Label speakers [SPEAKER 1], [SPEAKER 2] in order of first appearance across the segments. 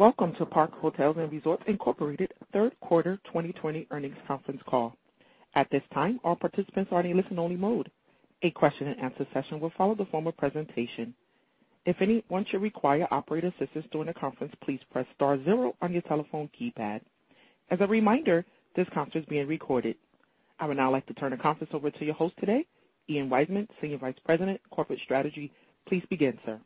[SPEAKER 1] Welcome to Park Hotels & Resorts Inc third quarter 2020 earnings conference call. At this time, all participants are in a listen-only mode. A question-and-answer session will follow the formal presentation. If anyone should require operator assistance during the conference, please press star zero on your telephone keypad. As a reminder, this conference is being recorded. I would now like to turn the conference over to your host today, Ian Weissman, Senior Vice President, Corporate Strategy. Please begin, sir.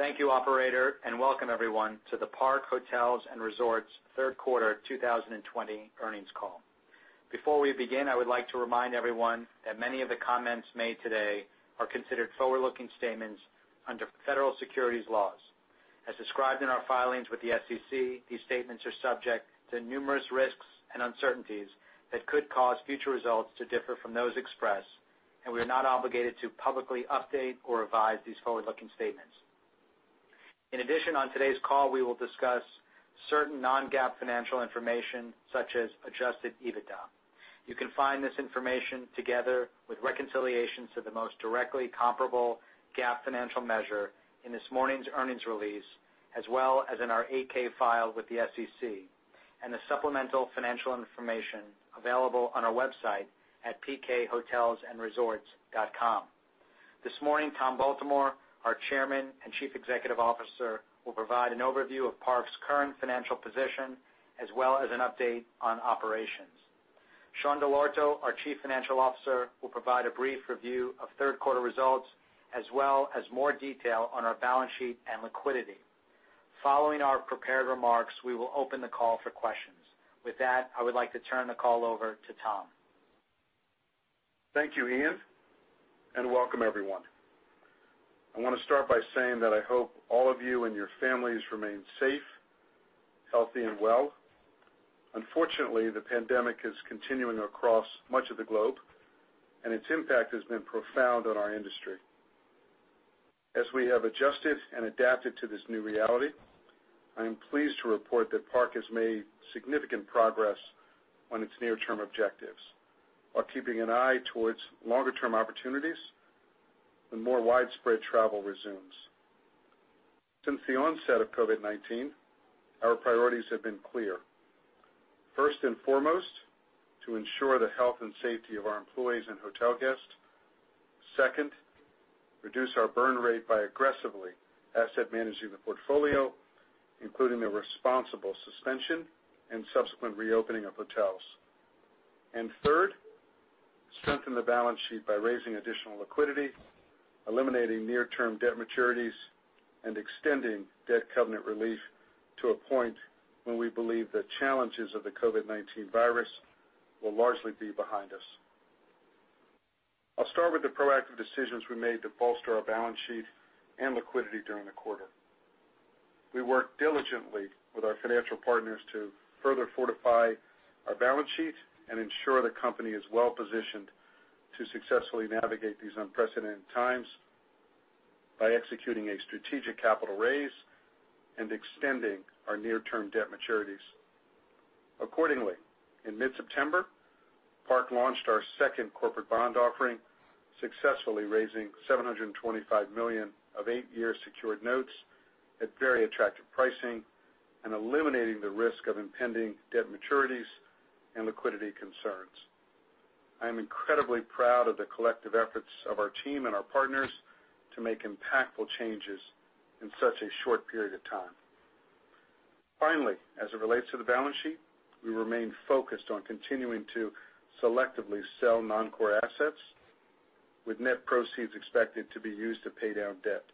[SPEAKER 2] Thank you, operator, and welcome everyone to the Park Hotels & Resorts third quarter 2020 earnings call. Before we begin, I would like to remind everyone that many of the comments made today are considered forward-looking statements under federal securities laws. As described in our filings with the SEC, these statements are subject to numerous risks and uncertainties that could cause future results to differ from those expressed. We are not obligated to publicly update or revise these forward-looking statements. On today's call, we will discuss certain non-GAAP financial information such as adjusted EBITDA. You can find this information together with reconciliations to the most directly comparable GAAP financial measure in this morning's earnings release, as well as in our 8-K filed with the SEC and the supplemental financial information available on our website at pkhotelsandresorts.com. This morning, Tom Baltimore, our Chairman and Chief Executive Officer, will provide an overview of Park's current financial position as well as an update on operations. Sean Dell'Orto, our Chief Financial Officer, will provide a brief review of third quarter results as well as more detail on our balance sheet and liquidity. Following our prepared remarks, we will open the call for questions. With that, I would like to turn the call over to Tom.
[SPEAKER 3] Thank you, Ian, and welcome everyone. I want to start by saying that I hope all of you and your families remain safe, healthy, and well. Unfortunately, the pandemic is continuing across much of the globe, and its impact has been profound on our industry. As we have adjusted and adapted to this new reality, I am pleased to report that Park has made significant progress on its near-term objectives while keeping an eye towards longer-term opportunities when more widespread travel resumes. Since the onset of COVID-19, our priorities have been clear. First and foremost, to ensure the health and safety of our employees and hotel guests. Second, reduce our burn rate by aggressively asset managing the portfolio, including the responsible suspension and subsequent reopening of hotels. Third, strengthen the balance sheet by raising additional liquidity, eliminating near-term debt maturities, and extending debt covenant relief to a point when we believe the challenges of the COVID-19 virus will largely be behind us. I'll start with the proactive decisions we made to bolster our balance sheet and liquidity during the quarter. We worked diligently with our financial partners to further fortify our balance sheet and ensure the company is well positioned to successfully navigate these unprecedented times by executing a strategic capital raise and extending our near-term debt maturities. Accordingly, in mid-September, Park launched our second corporate bond offering, successfully raising $725 million of eight-year secured notes at very attractive pricing and eliminating the risk of impending debt maturities and liquidity concerns. I am incredibly proud of the collective efforts of our team and our partners to make impactful changes in such a short period of time. As it relates to the balance sheet, we remain focused on continuing to selectively sell non-core assets with net proceeds expected to be used to pay down debt.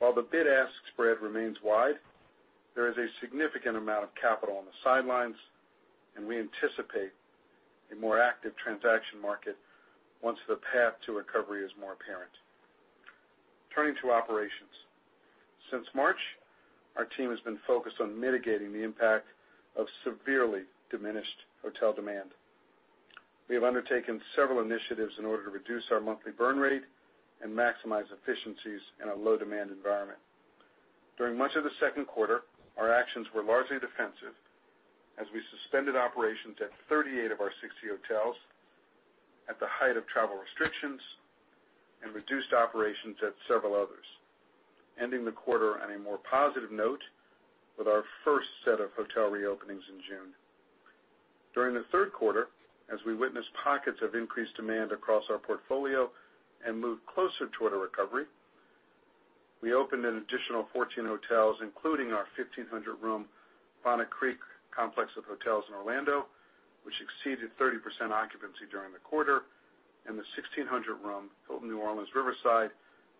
[SPEAKER 3] The bid-ask spread remains wide, there is a significant amount of capital on the sidelines, and we anticipate a more active transaction market once the path to recovery is more apparent. Turning to operations. Since March, our team has been focused on mitigating the impact of severely diminished hotel demand. We have undertaken several initiatives in order to reduce our monthly burn rate and maximize efficiencies in a low-demand environment. During much of the second quarter, our actions were largely defensive as we suspended operations at 38 of our 60 hotels at the height of travel restrictions and reduced operations at several others, ending the quarter on a more positive note with our first set of hotel reopenings in June. During the third quarter, as we witnessed pockets of increased demand across our portfolio and moved closer toward a recovery, we opened an additional 14 hotels, including our 1,500-room Bonnet Creek complex of hotels in Orlando, which exceeded 30% occupancy during the quarter, and the 1,600-room Hilton New Orleans Riverside,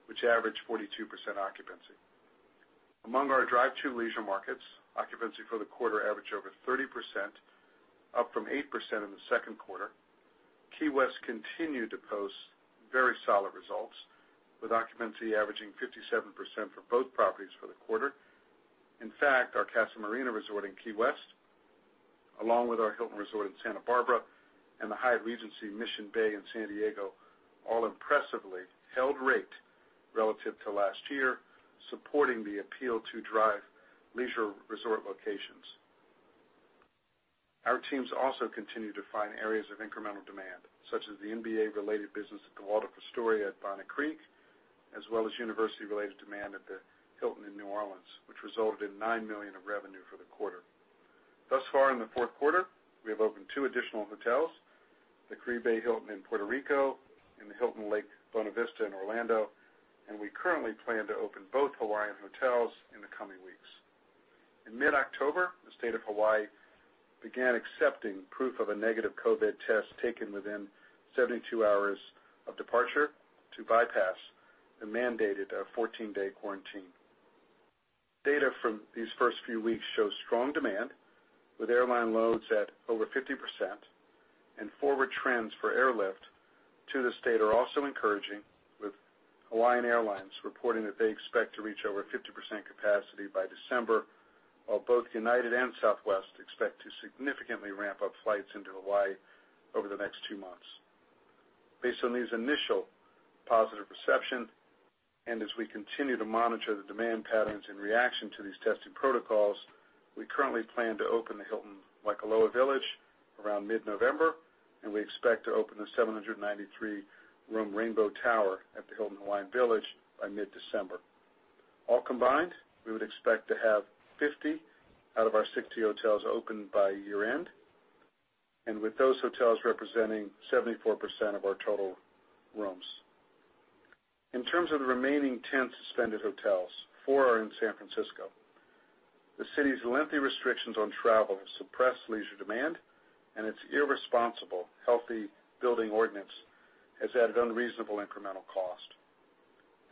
[SPEAKER 3] which averaged 42% occupancy. Among our drive-to leisure markets, occupancy for the quarter averaged over 30%, up from 8% in the second quarter. Key West continued to post very solid results, with occupancy averaging 57% for both properties for the quarter. In fact, our Casa Marina Resort in Key West, along with our Hilton Resort in Santa Barbara and the Hyatt Regency Mission Bay in San Diego, all impressively held rate relative to last year, supporting the appeal to drive leisure resort locations. Our teams also continue to find areas of incremental demand, such as the NBA-related business at The Waldorf Astoria at Bonnet Creek, as well as university-related demand at the Hilton in New Orleans, which resulted in $9 million of revenue for the quarter. Thus far in the fourth quarter, we have opened two additional hotels, the Caribe Hilton in Puerto Rico and the Hilton Lake Buena Vista in Orlando, and we currently plan to open both Hawaiian hotels in the coming weeks. In mid-October, the State of Hawaii began accepting proof of a negative COVID test taken within 72 hours of departure to bypass the mandated 14-day quarantine. Data from these first few weeks shows strong demand with airline loads at over 50%. Forward trends for airlift to the state are also encouraging, with Hawaiian Airlines reporting that they expect to reach over 50% capacity by December, while both United and Southwest expect to significantly ramp up flights into Hawaii over the next two months. Based on these initial positive reception, as we continue to monitor the demand patterns in reaction to these testing protocols, we currently plan to open the Hilton Waikoloa Village around mid-November. We expect to open the 793-room Rainbow Tower at the Hilton Hawaiian Village by mid-December. All combined, we would expect to have 50 out of our 60 hotels opened by year end, with those hotels representing 74% of our total rooms. In terms of the remaining 10 suspended hotels, four are in San Francisco. The city's lengthy restrictions on travel have suppressed leisure demand, and its irresponsible Healthy Buildings Ordinance has added unreasonable incremental cost.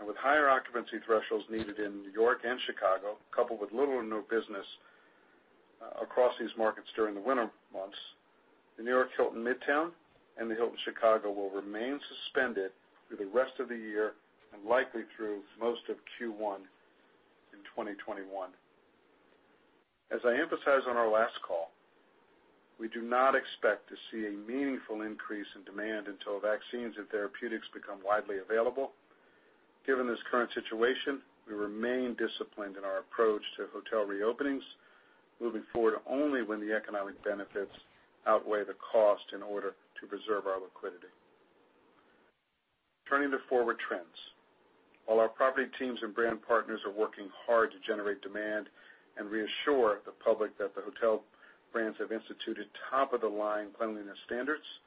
[SPEAKER 3] With higher occupancy thresholds needed in New York and Chicago, coupled with little or no business across these markets during the winter months, the New York Hilton Midtown and the Hilton Chicago will remain suspended through the rest of the year, and likely through most of Q1 in 2021. As I emphasized on our last call, we do not expect to see a meaningful increase in demand until vaccines and therapeutics become widely available. Given this current situation, we remain disciplined in our approach to hotel reopenings, moving forward only when the economic benefits outweigh the cost in order to preserve our liquidity. Turning to forward trends. While our property teams and brand partners are working hard to generate demand and reassure the public that the hotel brands have instituted top-of-the-line cleanliness standards,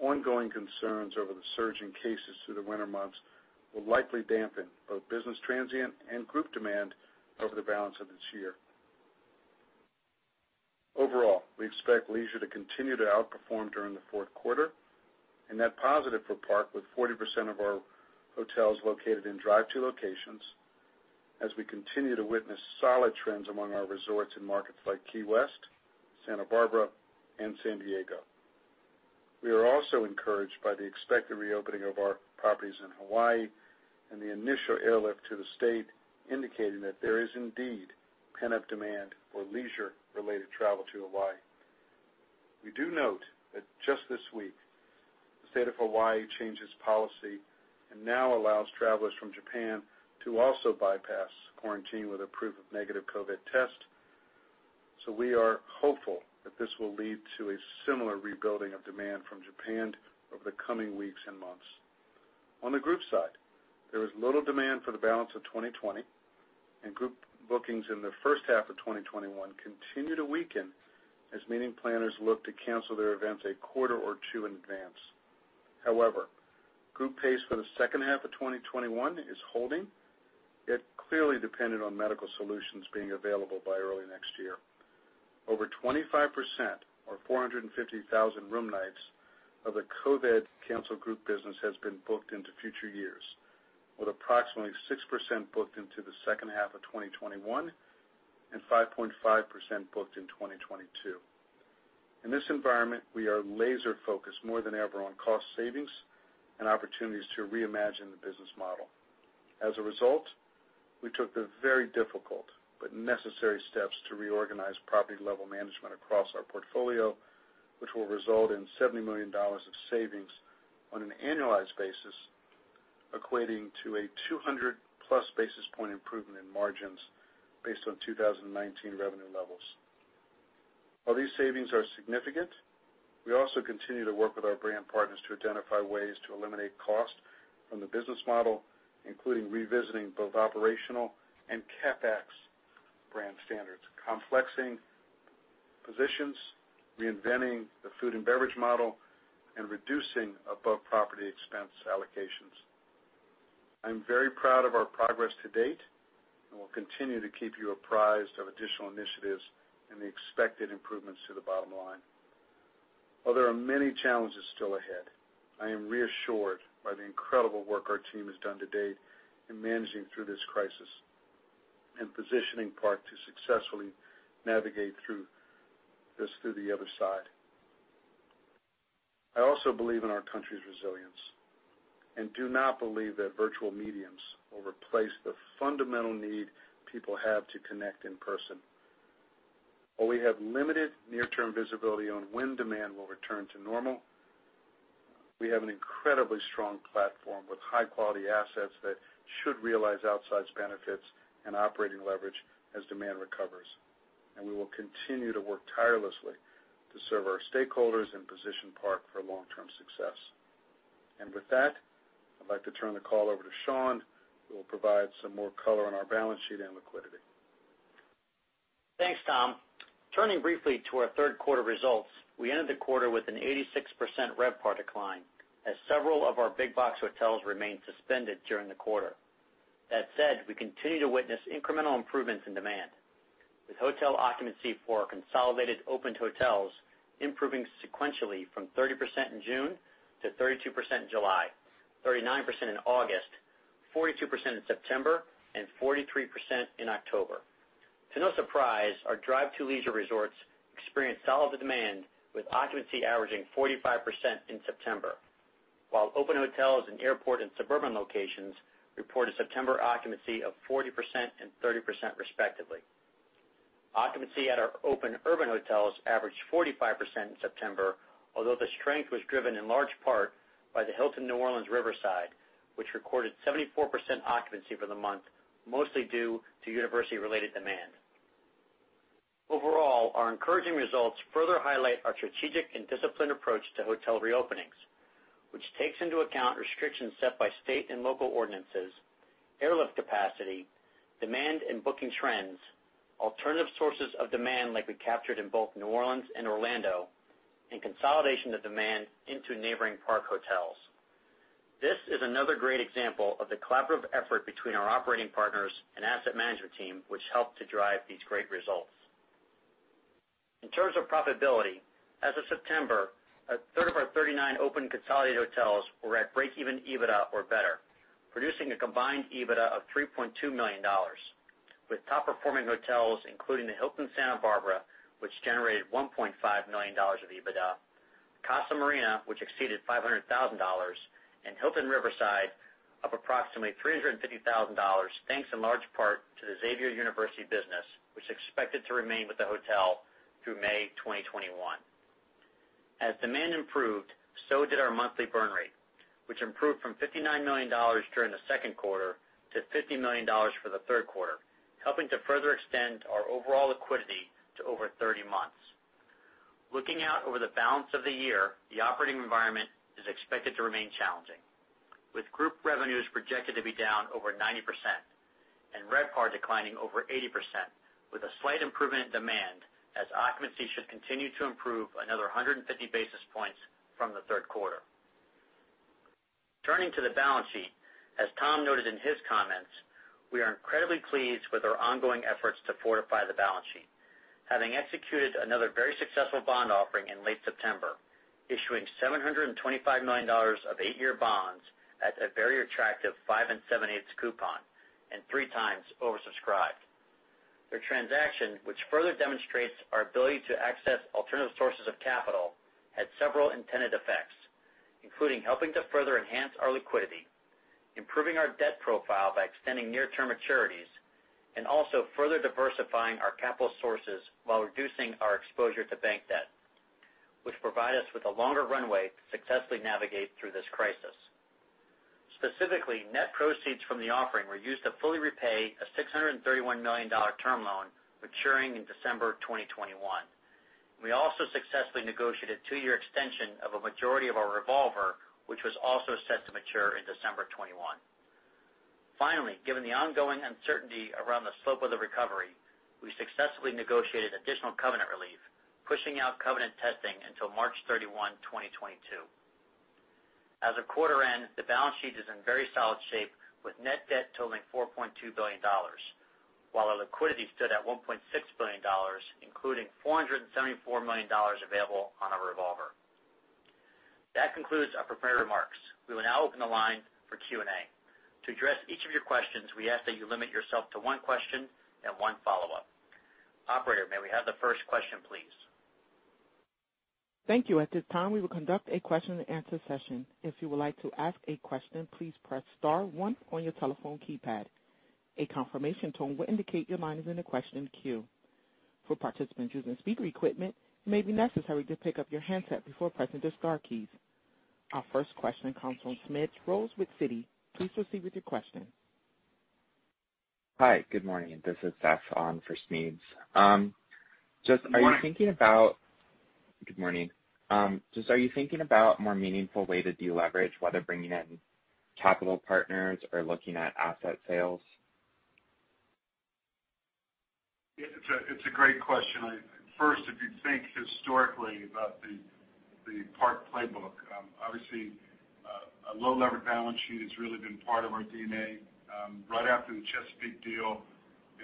[SPEAKER 3] ongoing concerns over the surge in cases through the winter months will likely dampen both business transient and group demand over the balance of this year. Overall, we expect leisure to continue to outperform during the fourth quarter, and that positive for Park with 40% of our hotels located in drive to locations as we continue to witness solid trends among our resorts in markets like Key West, Santa Barbara and San Diego. We are also encouraged by the expected reopening of our properties in Hawaii and the initial airlift to the state indicating that there is indeed pent-up demand for leisure-related travel to Hawaii. We do note that just this week, the State of Hawaii changed its policy and now allows travelers from Japan to also bypass quarantine with a proof of negative COVID test. We are hopeful that this will lead to a similar rebuilding of demand from Japan over the coming weeks and months. On the group side, there is little demand for the balance of 2020. Group bookings in the first half of 2021 continue to weaken as meeting planners look to cancel their events a quarter or two in advance. However, group pace for the second half of 2021 is holding, yet clearly dependent on medical solutions being available by early next year. Over 25%, or 450,000 room nights of the COVID canceled group business has been booked into future years, with approximately 6% booked into the second half of 2021 and 5.5% booked in 2022. In this environment, we are laser-focused more than ever on cost savings and opportunities to reimagine the business model. As a result, we took the very difficult but necessary steps to reorganize property-level management across our portfolio, which will result in $70 million of savings on an annualized basis, equating to a 200+ basis point improvement in margins based on 2019 revenue levels. While these savings are significant, we also continue to work with our brand partners to identify ways to eliminate cost from the business model, including revisiting both operational and CapEx brand standards, complexing positions, reinventing the food and beverage model, and reducing above-property expense allocations. I'm very proud of our progress to date, and we'll continue to keep you apprised of additional initiatives and the expected improvements to the bottom line. While there are many challenges still ahead, I am reassured by the incredible work our team has done to date in managing through this crisis and positioning Park to successfully navigate through the other side. I also believe in our country's resilience and do not believe that virtual mediums will replace the fundamental need people have to connect in person. While we have limited near-term visibility when demand will return to normal. We have an incredibly strong platform with high-quality assets that should realize outsized benefits and operating leverage as demand recovers, and we will continue to work tirelessly to serve our stakeholders and position Park for long-term success. With that, I'd like to turn the call over to Sean, who will provide some more color on our balance sheet and liquidity.
[SPEAKER 4] Thanks, Tom. Turning briefly to our third quarter results, we ended the quarter with an 86% RevPAR decline as several of our big box hotels remained suspended during the quarter. That said, we continue to witness incremental improvements in demand, with hotel occupancy for our consolidated opened hotels improving sequentially from 30% in June to 32% in July, 39% in August, 42% in September, and 43% in October. To no surprise, our drive to leisure resorts experienced solid demand, with occupancy averaging 45% in September, while open hotels in airport and suburban locations reported September occupancy of 40% and 30%, respectively. Occupancy at our open urban hotels averaged 45% in September, although the strength was driven in large part by the Hilton New Orleans Riverside, which recorded 74% occupancy for the month, mostly due to university-related demand. Overall, our encouraging results further highlight our strategic and disciplined approach to hotel reopenings, which takes into account restrictions set by state and local ordinances, airlift capacity, demand and booking trends, alternative sources of demand like we captured in both New Orleans and Orlando, and consolidation of demand into neighboring Park Hotels. This is another great example of the collaborative effort between our operating partners and asset management team, which helped to drive these great results. In terms of profitability, as of September, a third of our 39 open consolidated hotels were at break-even EBITDA or better, producing a combined EBITDA of $3.2 million, with top-performing hotels including the Hilton Santa Barbara, which generated $1.5 million of EBITDA, Casa Marina, which exceeded $500,000, and Hilton Riverside of approximately $350,000, thanks in large part to the Xavier University business, which is expected to remain with the hotel through May 2021. As demand improved, so did our monthly burn rate, which improved from $59 million during the second quarter to $50 million for the third quarter, helping to further extend our overall liquidity to over 30 months. Looking out over the balance of the year, the operating environment is expected to remain challenging, with group revenues projected to be down over 90% and RevPAR declining over 80%, with a slight improvement in demand as occupancy should continue to improve another 150 basis points from the third quarter. Turning to the balance sheet. As Tom noted in his comments, we are incredibly pleased with our ongoing efforts to fortify the balance sheet, having executed another very successful bond offering in late September, issuing $725 million of eight-year bonds at a very attractive 5.875% coupon and 3x oversubscribed. The transaction, which further demonstrates our ability to access alternative sources of capital, had several intended effects, including helping to further enhance our liquidity, improving our debt profile by extending near-term maturities, and also further diversifying our capital sources while reducing our exposure to bank debt, which provide us with a longer runway to successfully navigate through this crisis. Specifically, net proceeds from the offering were used to fully repay a $631 million term loan maturing in December 2021. We also successfully negotiated a two-year extension of a majority of our revolver, which was also set to mature in December 2021. Finally, given the ongoing uncertainty around the slope of the recovery, we successfully negotiated additional covenant relief, pushing out covenant testing until March 31, 2022. As of quarter end, the balance sheet is in very solid shape, with net debt totaling $4.2 billion, while our liquidity stood at $1.6 billion, including $474 million available on our revolver. That concludes our prepared remarks. We will now open the line for Q&A. To address each of your questions, we ask that you limit yourself to one question and one follow-up. Operator, may we have the first question, please?
[SPEAKER 1] Thank you. At this time, we will conduct a question-and-answer session. If you would like to ask a question, please press star one on your telephone keypad. A confirmation tone will indicate your line is in the question queue. For participants using speaker equipment, it may be necessary to pick up your handset before pressing the star keys. Our first question comes from Smedes Rose with Citi. Please proceed with your question.
[SPEAKER 5] Hi, good morning. This is [Seth] on for Smedes.
[SPEAKER 3] Good morning.
[SPEAKER 5] Good morning. Are you thinking about more meaningful way to deleverage, whether bringing in capital partners or looking at asset sales?
[SPEAKER 3] It's a great question. First, if you think historically about the Park playbook, obviously, a low-leveraged balance sheet has really been part of our DNA. Right after the Chesapeake deal,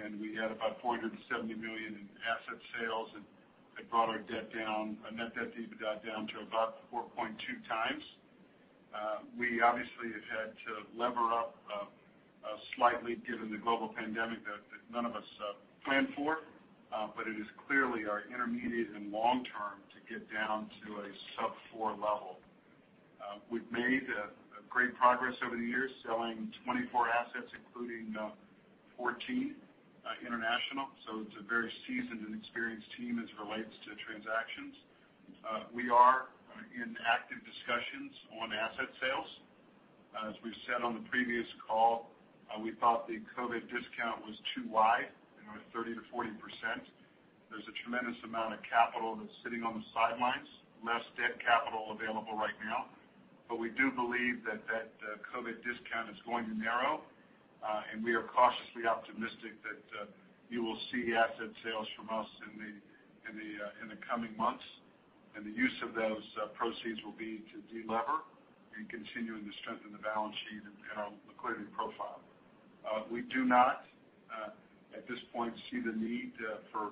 [SPEAKER 3] and we had about $470 million in asset sales, and that brought our net debt to EBITDA down to about 4.2x. We obviously have had to lever up slightly given the global pandemic that none of us planned for, but it is clearly our intermediate and long-term to get down to a sub-4 level. We've made great progress over the years, selling 24 assets, including 14 international. It's a very seasoned and experienced team as it relates to transactions. We are in active discussions on asset sales. As we've said on the previous call, we thought the COVID discount was too wide, 30%-40%. There's a tremendous amount of capital that's sitting on the sidelines, less debt capital available right now. We do believe that that COVID discount is going to narrow. We are cautiously optimistic that you will see asset sales from us in the coming months. The use of those proceeds will be to delever and continuing to strengthen the balance sheet and our liquidity profile. We do not, at this point, see the need for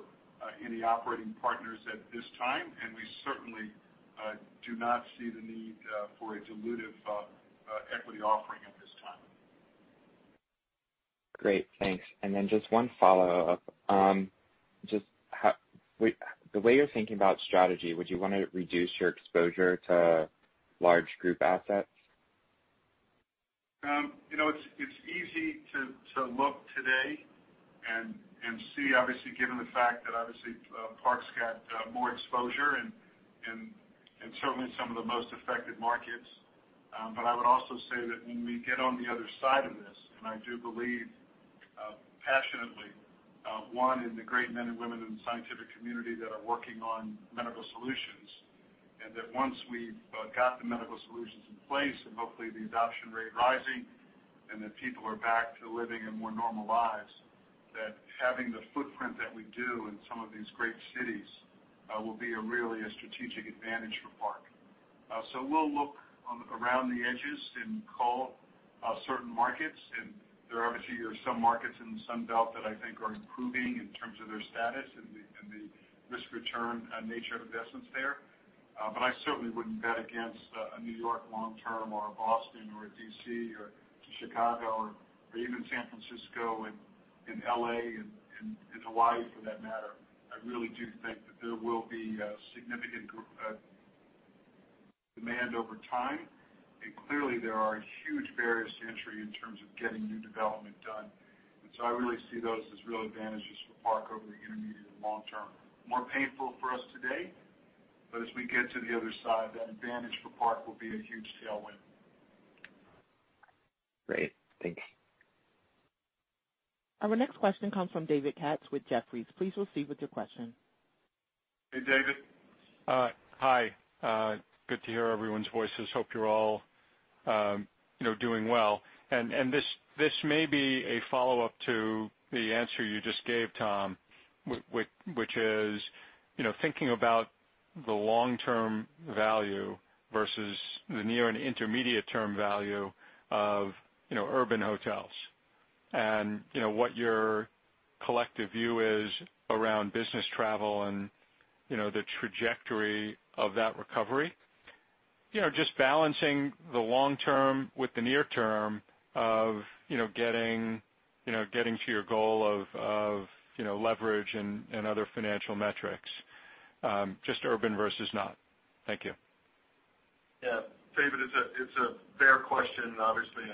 [SPEAKER 3] any operating partners at this time, and we certainly do not see the need for a dilutive equity offering at this time.
[SPEAKER 5] Great, thanks. Then just one follow-up. Just the way you're thinking about strategy, would you want to reduce your exposure to large group assets?
[SPEAKER 3] It's easy to look today and see, obviously, given the fact that obviously Park's got more exposure and certainly some of the most affected markets. I would also say that when we get on the other side of this, and I do believe passionately, one, in the great men and women in the scientific community that are working on medical solutions, and that once we've got the medical solutions in place, and hopefully the adoption rate rising, and that people are back to living a more normal lives, that having the footprint that we do in some of these great cities, will be a really a strategic advantage for Park. We'll look around the edges and cull certain markets, and there obviously are some markets in Sun Belt that I think are improving in terms of their status and the risk-return nature of investments there. I certainly wouldn't bet against a New York long-term or a Boston or a D.C. or Chicago or even San Francisco and L.A. and Hawaii for that matter. I really do think that there will be a significant demand over time. Clearly there are huge barriers to entry in terms of getting new development done. I really see those as real advantages for Park over the intermediate and long term. More painful for us today, but as we get to the other side, that advantage for Park will be a huge tailwind.
[SPEAKER 5] Great, thanks.
[SPEAKER 1] Our next question comes from David Katz with Jefferies. Please proceed with your question.
[SPEAKER 3] Hey, David.
[SPEAKER 6] Hi. Good to hear everyone's voices. Hope you're all doing well. This may be a follow-up to the answer you just gave, Tom, which is thinking about the long-term value versus the near and intermediate-term value of urban hotels. What your collective view is around business travel and the trajectory of that recovery. Just balancing the long term with the near term of getting to your goal of leverage and other financial metrics, just urban versus not. Thank you.
[SPEAKER 3] Yeah. David, it's a fair question, and obviously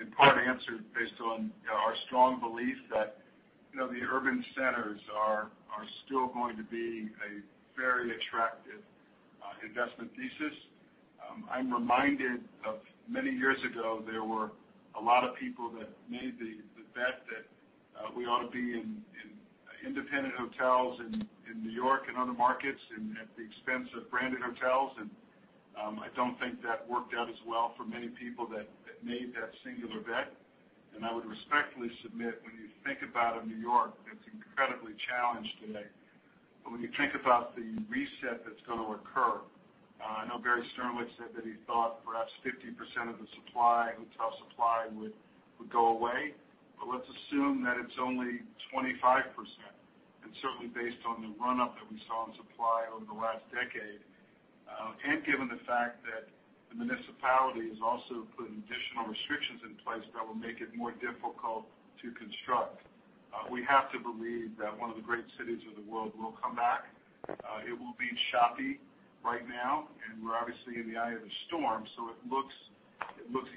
[SPEAKER 3] in part answered based on our strong belief that the urban centers are still going to be a very attractive investment thesis. I'm reminded of many years ago, there were a lot of people that made the bet that we ought to be in independent hotels in New York and other markets at the expense of branded hotels. I don't think that worked out as well for many people that made that singular bet. I would respectfully submit, when you think about a New York that's incredibly challenged today. When you think about the reset that's going to occur. I know Barry Sternlicht said that he thought perhaps 50% of the hotel supply would go away. Let's assume that it's only 25%, and certainly based on the run-up that we saw in supply over the last decade, and given the fact that the municipality has also put additional restrictions in place that will make it more difficult to construct. We have to believe that one of the great cities of the world will come back. It will be choppy right now, and we're obviously in the eye of the storm, so it looks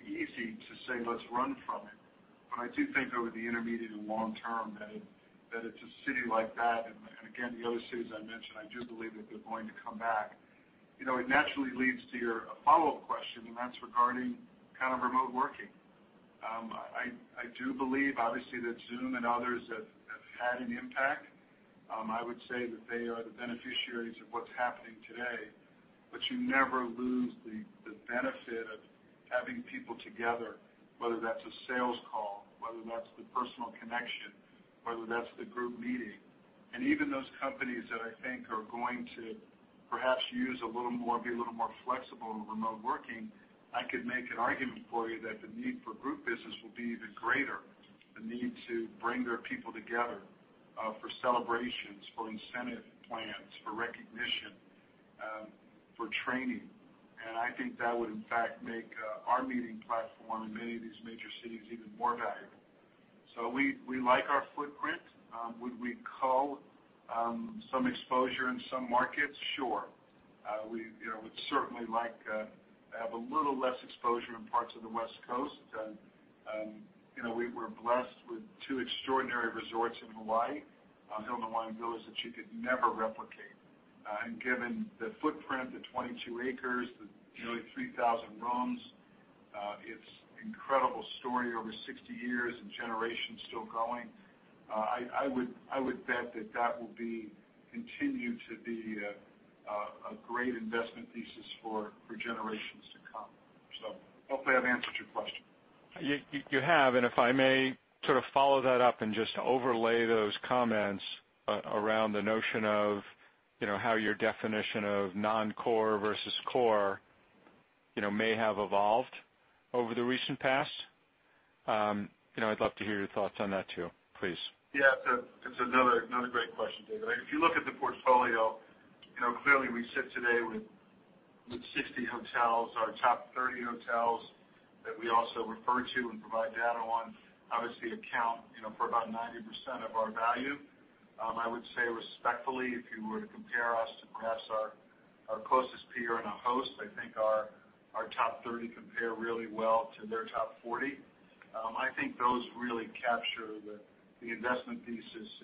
[SPEAKER 3] easy to say, let's run from it. I do think over the intermediate and long term that it's a city like that, and again, the other cities I mentioned, I do believe that they're going back. It naturally leads to your follow-up question, and that's regarding remote working. I do believe, obviously, that Zoom and others have had an impact. I would say that they are the beneficiaries of what's happening today. You never lose the benefit of having people together, whether that's a sales call, whether that's the personal connection, whether that's the group meeting. Even those companies that I think are going to perhaps use a little more, be a little more flexible in remote working, I could make an argument for you that the need for group business will be even greater, the need to bring their people together, for celebrations, for incentive plans, for recognition, for training. I think that would in fact make our meeting platform in many of these major cities even more valuable. We like our footprint. Would we cull some exposure in some markets? Sure. We'd certainly like to have a little less exposure in parts of the West Coast. We're blessed with two extraordinary resorts in Hawaii, Hilton Hawaiian Village, that you could never replicate. Given the footprint, the 22 acres, the nearly 3,000 rooms, its incredible story over 60 years and generations still going, I would bet that that will continue to be a great investment thesis for generations to come. Hopefully that answers your question.
[SPEAKER 6] You have, and if I may sort of follow that up and just overlay those comments around the notion of how your definition of non-core versus core may have evolved over the recent past, I'd love to hear your thoughts on that too, please.
[SPEAKER 3] Yeah. It's another great question, David. If you look at the portfolio, clearly we sit today with 60 hotels. Our top 30 hotels that we also refer to and provide data on, obviously account for about 90% of our value. I would say respectfully, if you were to compare us to perhaps our closest peer in Host, I think our top 30 compare really well to their top 40. I think those really capture the investment thesis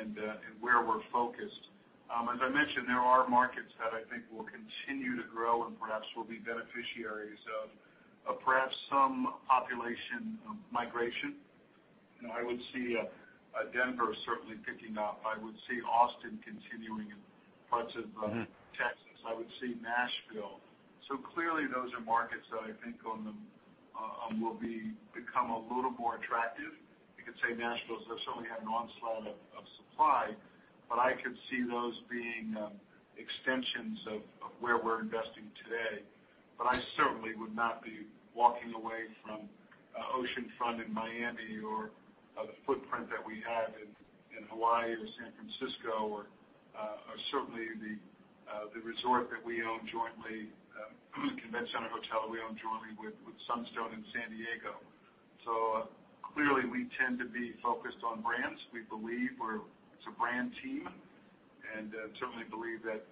[SPEAKER 3] and where we're focused. As I mentioned, there are markets that I think will continue to grow and perhaps will be beneficiaries of perhaps some population migration. I would see Denver certainly picking up. I would see Austin continuing and parts of Texas. I would see Nashville. Clearly those are markets that I think will become a little more attractive. You could say Nashville has certainly had an onslaught of supply. I could see those being extensions of where we're investing today. I certainly would not be walking away from oceanfront in Miami or the footprint that we have in Hawaii or San Francisco or certainly the resort that we own jointly, Convention Center Hotel, that we own jointly with Sunstone in San Diego. Clearly we tend to be focused on brands. We believe it's a brand team, and certainly believe that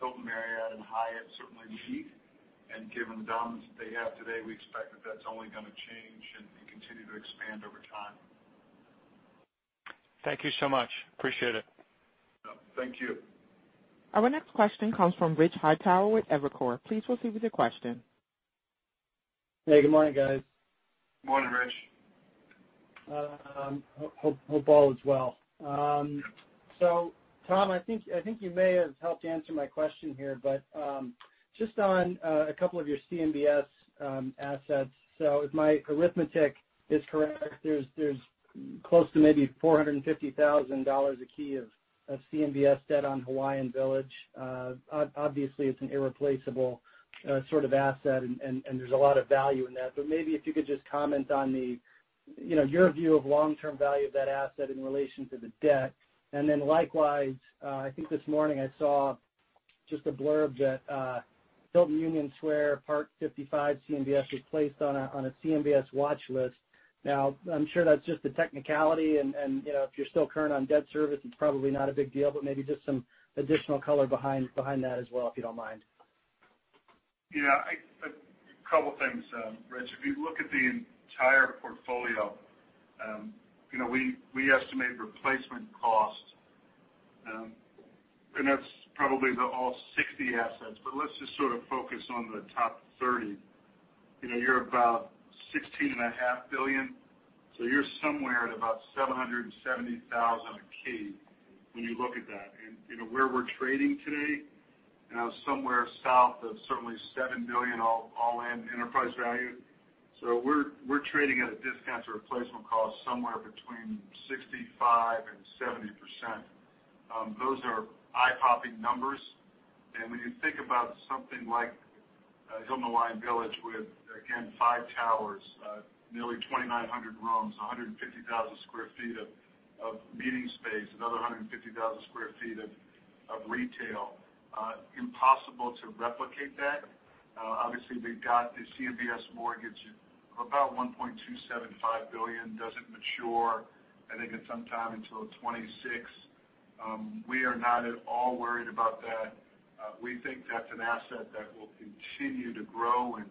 [SPEAKER 3] Hilton, Marriott, and Hyatt certainly lead. Given the dominance they have today, we expect that that's only going to change and continue to expand over time.
[SPEAKER 6] Thank you so much. Appreciate it.
[SPEAKER 3] Thank you.
[SPEAKER 1] Our next question comes from Rich Hightower with Evercore. Please proceed with your question.
[SPEAKER 7] Hey, good morning, guys.
[SPEAKER 3] Morning, Rich.
[SPEAKER 7] Hope all is well. Tom, I think you may have helped answer my question here, just on a couple of your CMBS assets. If my arithmetic is correct, there's close to maybe $450,000 a key of CMBS debt on Hawaiian Village. Obviously, it's an irreplaceable sort of asset and there's a lot of value in that. Maybe if you could just comment on your view of long-term value of that asset in relation to the debt. Likewise, I think this morning I saw just a blurb that Hilton Union Square, Parc 55 CMBS was placed on a CMBS watch list. I'm sure that's just a technicality, and if you're still current on debt service, it's probably not a big deal, maybe just some additional color behind that as well, if you don't mind.
[SPEAKER 3] Yeah. A couple of things, Rich. If you look at the entire portfolio, we estimate replacement cost, that's probably the all 60 assets, but let's just sort of focus on the top 30. You're about $16.5 billion, you're somewhere at about $770,000 a key when you look at that. Where we're trading today, somewhere south of certainly $7 billion all-in enterprise value. We're trading at a discount to replacement cost somewhere between 65% and 70%. Those are eye-popping numbers. When you think about something like Hilton Hawaiian Village with, again, five towers, nearly 2,900 rooms, 150,000 sq ft of meeting space, another 150,000 sq ft of retail, impossible to replicate that. Obviously, they've got the CMBS mortgage of about $1.275 billion, doesn't mature, I think, at some time until 2026. We are not at all worried about that. We think that's an asset that will continue to grow and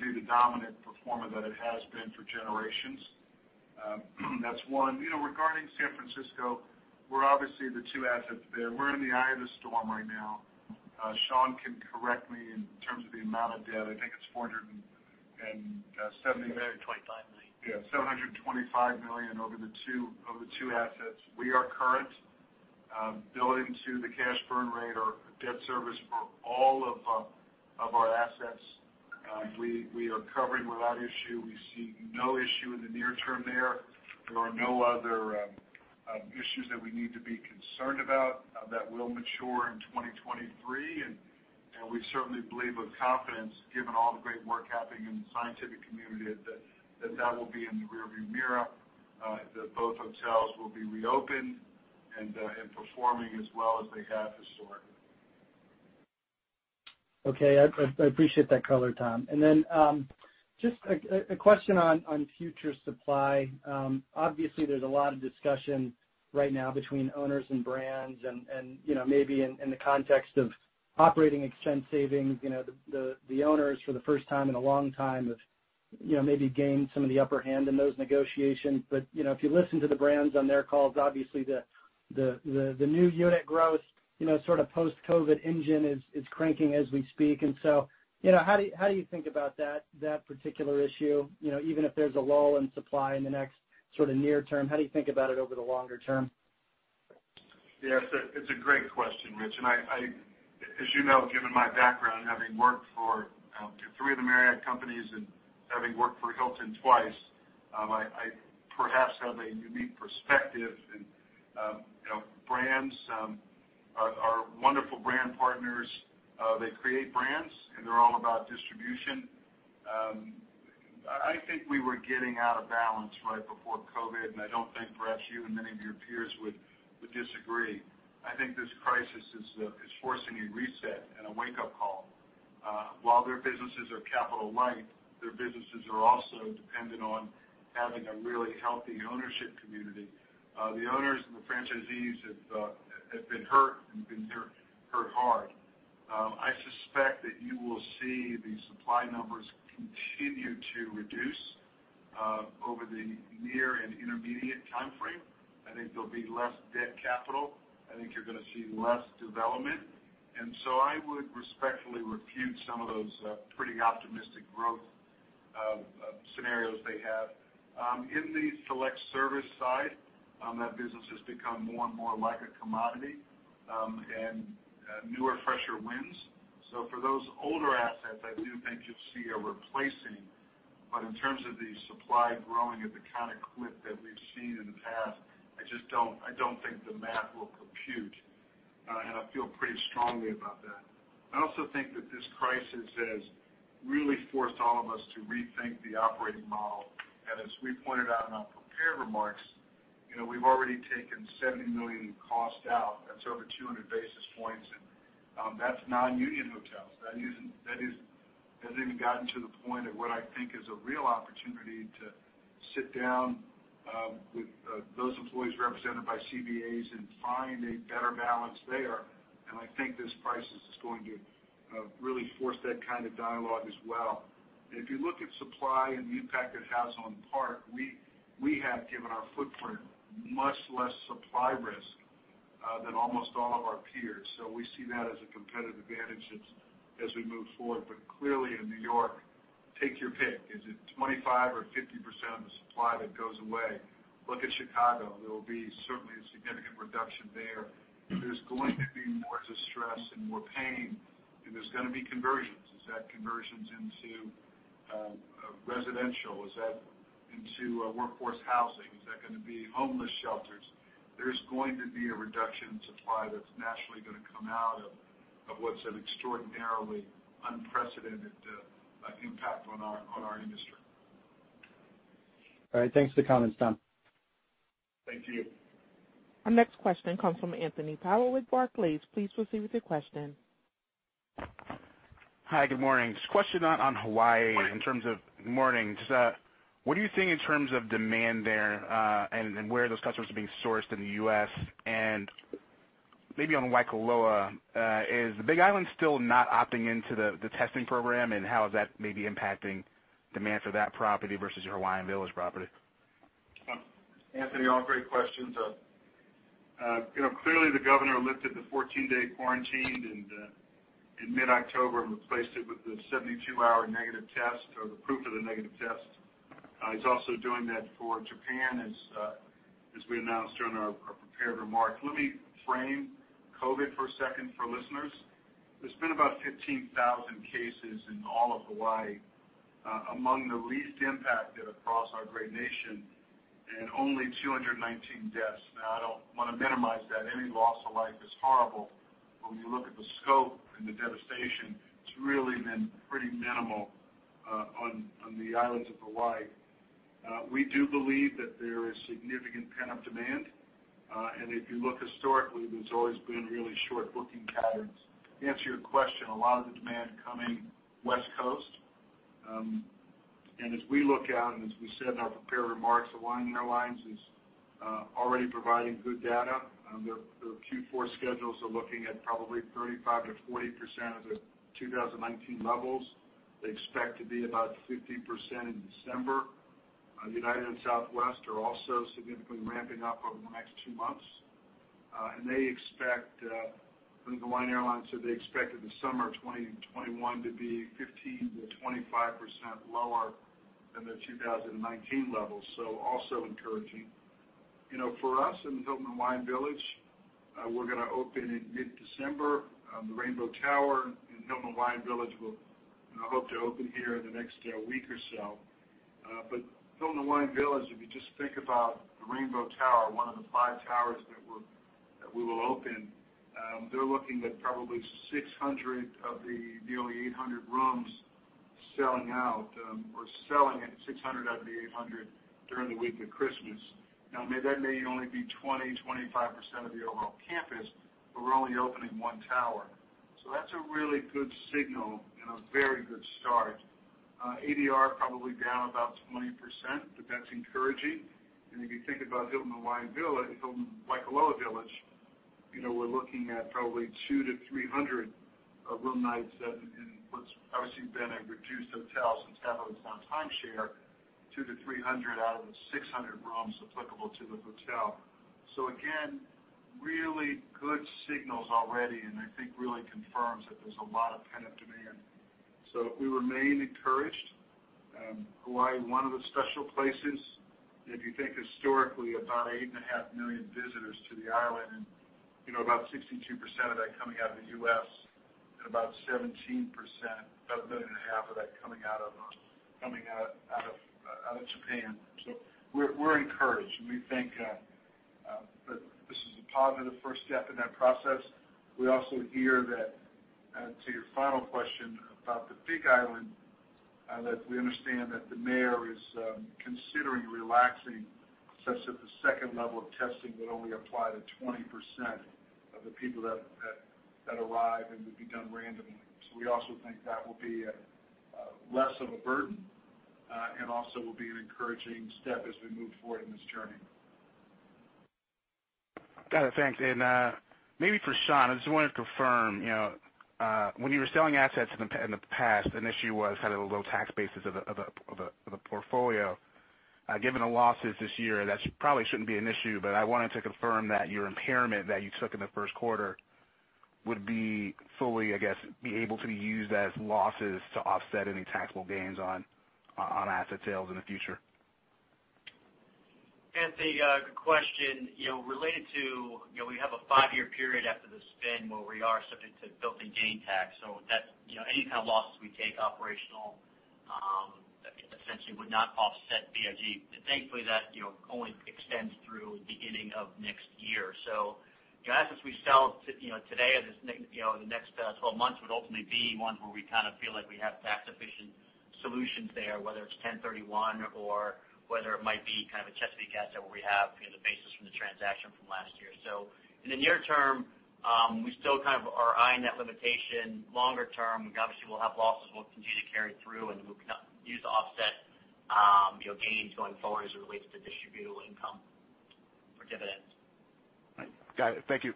[SPEAKER 3] be the dominant performer that it has been for generations. That's one. Regarding San Francisco, we're obviously the two assets there. We're in the eye of the storm right now. Sean can correct me in terms of the amount of debt. I think it's $470 million.
[SPEAKER 4] $725 million.
[SPEAKER 3] Yeah, $725 million over the two assets. We are current, building to the cash burn rate or debt service for all of our assets. We are covering without issue. We see no issue in the near term there. There are no other issues that we need to be concerned about that will mature in 2023. We certainly believe with confidence, given all the great work happening in the scientific community, that will be in the rear view mirror, that both hotels will be reopened and performing as well as they have historically.
[SPEAKER 7] Okay. I appreciate that color, Tom. Just a question on future supply. Obviously, there's a lot of discussion right now between owners and brands and maybe in the context of operating expense savings, the owners for the first time in a long time have maybe gained some of the upper hand in those negotiations. If you listen to the brands on their calls, obviously the new unit growth, sort of post-COVID engine is cranking as we speak. How do you think about that particular issue? Even if there's a lull in supply in the next sort of near term, how do you think about it over the longer term?
[SPEAKER 3] Yes, it's a great question, Rich. As you know, given my background, having worked for three of the Marriott companies and having worked for Hilton twice, I perhaps have a unique perspective. Brands are wonderful brand partners. They create brands, and they're all about distribution. I think we were getting out of balance right before COVID-19, and I don't think perhaps you and many of your peers would disagree. I think this crisis is forcing a reset and a wake-up call. While their businesses are capital-light, their businesses are also dependent on having a really healthy ownership community. The owners and the franchisees have been hurt and been hurt hard. I suspect that you will see the supply numbers continue to reduce over the near and intermediate timeframe. I think there'll be less debt capital. I think you're going to see less development, I would respectfully refute some of those pretty optimistic growth scenarios they have. In the select service side, that business has become more and more like a commodity, and newer, fresher wins. For those older assets, I do think you'll see a replacing. In terms of the supply growing at the kind of clip that we've seen in the past, I don't think the math will compute. I feel pretty strongly about that. I also think that this crisis has really forced all of us to rethink the operating model. As we pointed out in our prepared remarks, we've already taken $70 million in cost out. That's over 200 basis points and that's non-union hotels. That hasn't even gotten to the point of what I think is a real opportunity to sit down with those employees represented by CBAs and find a better balance there. I think this crisis is going to really force that kind of dialogue as well. If you look at supply and the impact it has on Park, we have given our footprint much less supply risk than almost all of our peers. We see that as a competitive advantage as we move forward. Clearly in New York, take your pick. Is it 25% or 50% of the supply that goes away? Look at Chicago. There will be certainly a significant reduction there. There's going to be more distress and more pain, and there's going to be conversions. Is that conversions into residential? Is that into workforce housing? Is that going to be homeless shelters? There's going to be a reduction in supply that's naturally going to come out of what's an extraordinarily unprecedented impact on our industry.
[SPEAKER 7] All right. Thanks for the comments, Tom.
[SPEAKER 3] Thank you.
[SPEAKER 1] Our next question comes from Anthony Powell with Barclays. Please proceed with your question.
[SPEAKER 8] Hi, good morning. Just a question on Hawaii in terms of. Morning. Just what are you seeing in terms of demand there, and where those customers are being sourced in the U.S.? Maybe on Waikoloa, is the Big Island still not opting into the testing program, and how is that maybe impacting demand for that property versus your Hawaiian Village property?
[SPEAKER 3] Anthony, all great questions. Clearly, the governor lifted the 14-day quarantine in mid-October and replaced it with the 72-hour negative test or the proof of the negative test. He's also doing that for Japan as we announced during our prepared remarks. Let me frame COVID for a second for listeners. There's been about 15,000 cases in all of Hawaii, among the least impacted across our great nation, and only 219 deaths. Now, I don't want to minimize that. Any loss of life is horrible, but when you look at the scope and the devastation, it's really been pretty minimal on the islands of Hawaii. We do believe that there is significant pent-up demand. If you look historically, there's always been really short booking patterns. To answer your question, a lot of the demand coming West Coast. As we look out and as we said in our prepared remarks, Hawaiian Airlines is already providing good data. Their Q4 schedules are looking at probably 35%-40% of the 2019 levels. They expect to be about 50% in December. United and Southwest are also significantly ramping up over the next two months. They expect, I think Hawaiian Airlines said they expected the summer of 2021 to be 15%-25% lower than their 2019 levels. Also encouraging. For us in the Hilton Hawaiian Village, we're going to open in mid-December. The Rainbow Tower in Hilton Hawaiian Village will hope to open here in the next week or so. Hilton Hawaiian Village, if you just think about the Rainbow Tower, one of the five towers that we will open, they're looking at probably selling at 600 out of the 800 room during the week of Christmas. That may only be 20%-25% of the overall campus, but we're only opening one tower. That's a really good signal and a very good start. ADR probably down about 20%, but that's encouraging. If you think about Hilton Waikoloa Village, we're looking at probably 200-300 room nights in what's obviously been a reduced hotel since half of it's on timeshare, 200-300 out of the 600 rooms applicable to the hotel. Again, really good signals already, and I think really confirms that there's a lot of pent-up demand. We remain encouraged. Hawaii, one of the special places, if you think historically, about 8.5 million visitors to the island, 62% of that coming out of the U.S. and about 17% of that coming out of Japan. We're encouraged, and we think that this is a positive first step in that process. We also hear that, to your final question about the Big Island, that we understand that the mayor is considering relaxing such that the second level of testing would only apply to 20% of the people that arrive and would be done randomly. We also think that will be less of a burden, and also will be an encouraging step as we move forward in this journey.
[SPEAKER 8] Got it. Thanks. Maybe for Sean, I just wanted to confirm. When you were selling assets in the past, an issue was kind of the low tax basis of the portfolio. Given the losses this year, that probably shouldn't be an issue, but I wanted to confirm that your impairment that you took in the first quarter would be fully, I guess, be able to be used as losses to offset any taxable gains on asset sales in the future.
[SPEAKER 4] Anthony, good question. Related to, we have a five-year period after the spin where we are subject to built-in gain tax. Any kind of losses we take operational, essentially would not offset BIG. Thankfully that only extends through beginning of next year. The assets we sell today or the next 12 months would ultimately be ones where we feel like we have tax efficient solutions there, whether it's 1031 or whether it might be kind of a Chesapeake asset where we have the basis from the transaction from last year. In the near term, we still kind of are eyeing that limitation. Longer term, obviously we'll have losses we'll continue to carry through and we can use to offset gains going forward as it relates to distributable income or dividends.
[SPEAKER 8] Got it. Thank you.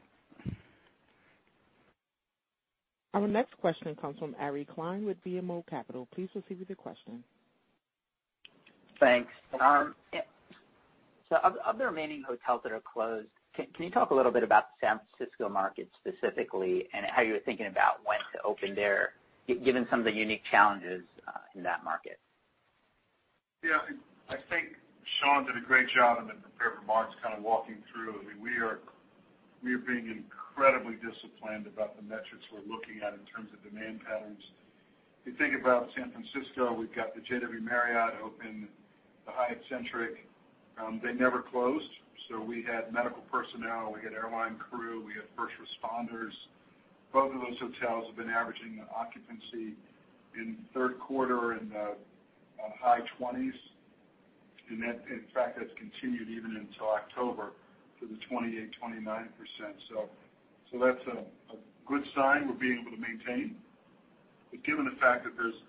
[SPEAKER 1] Our next question comes from Ari Klein with BMO Capital. Please proceed with your question.
[SPEAKER 9] Thanks. Of the remaining hotels that are closed, can you talk a little bit about the San Francisco market specifically, and how you're thinking about when to open there, given some of the unique challenges in that market?
[SPEAKER 3] I think Sean did a great job in the prepared remarks kind of walking through. We are being incredibly disciplined about the metrics we're looking at in terms of demand patterns. If you think about San Francisco, we've got the JW Marriott open, the Hyatt Centric. They never closed. We had medical personnel, we had airline crew, we had first responders. Both of those hotels have been averaging an occupancy in third quarter in the high 20s. In fact, that's continued even until October for the 28%, 29%. That's a good sign we're being able to maintain. Given the fact that there's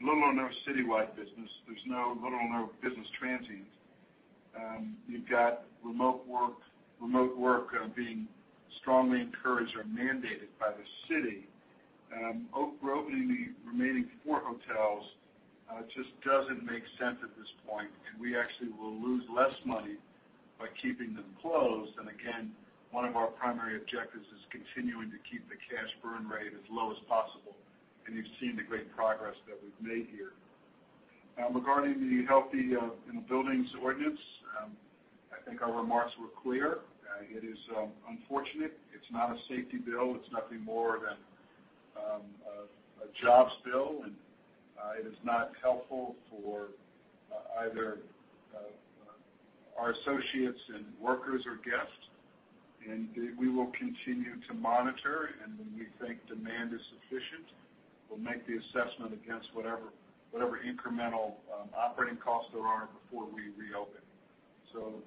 [SPEAKER 3] little or no citywide business, there's little or no business transient. You've got remote work being strongly encouraged or mandated by the city. Reopening the remaining four hotels just doesn't make sense at this point, we actually will lose less money by keeping them closed. Again, one of our primary objectives is continuing to keep the cash burn rate as low as possible, you've seen the great progress that we've made here. Now regarding the Healthy Buildings Ordinance, I think our remarks were clear. It is unfortunate. It's not a safety bill. It's nothing more than a jobs bill, and it is not helpful for either our associates and workers or guests. We will continue to monitor, and when we think demand is sufficient, we'll make the assessment against whatever incremental operating costs there are before we reopen.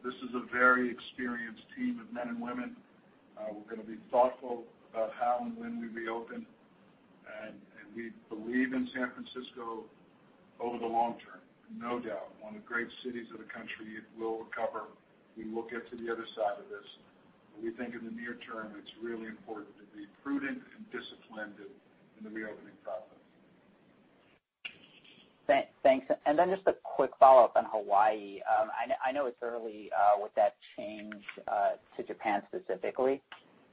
[SPEAKER 3] This is a very experienced team of men and women. We're going to be thoughtful about how and when we reopen. We believe in San Francisco over the long term. No doubt, one of the great cities of the country. It will recover. We will get to the other side of this. We think in the near term, it's really important to be prudent and disciplined in the reopening process.
[SPEAKER 9] Thanks. Just a quick follow-up on Hawaii. I know it's early with that change to Japan specifically,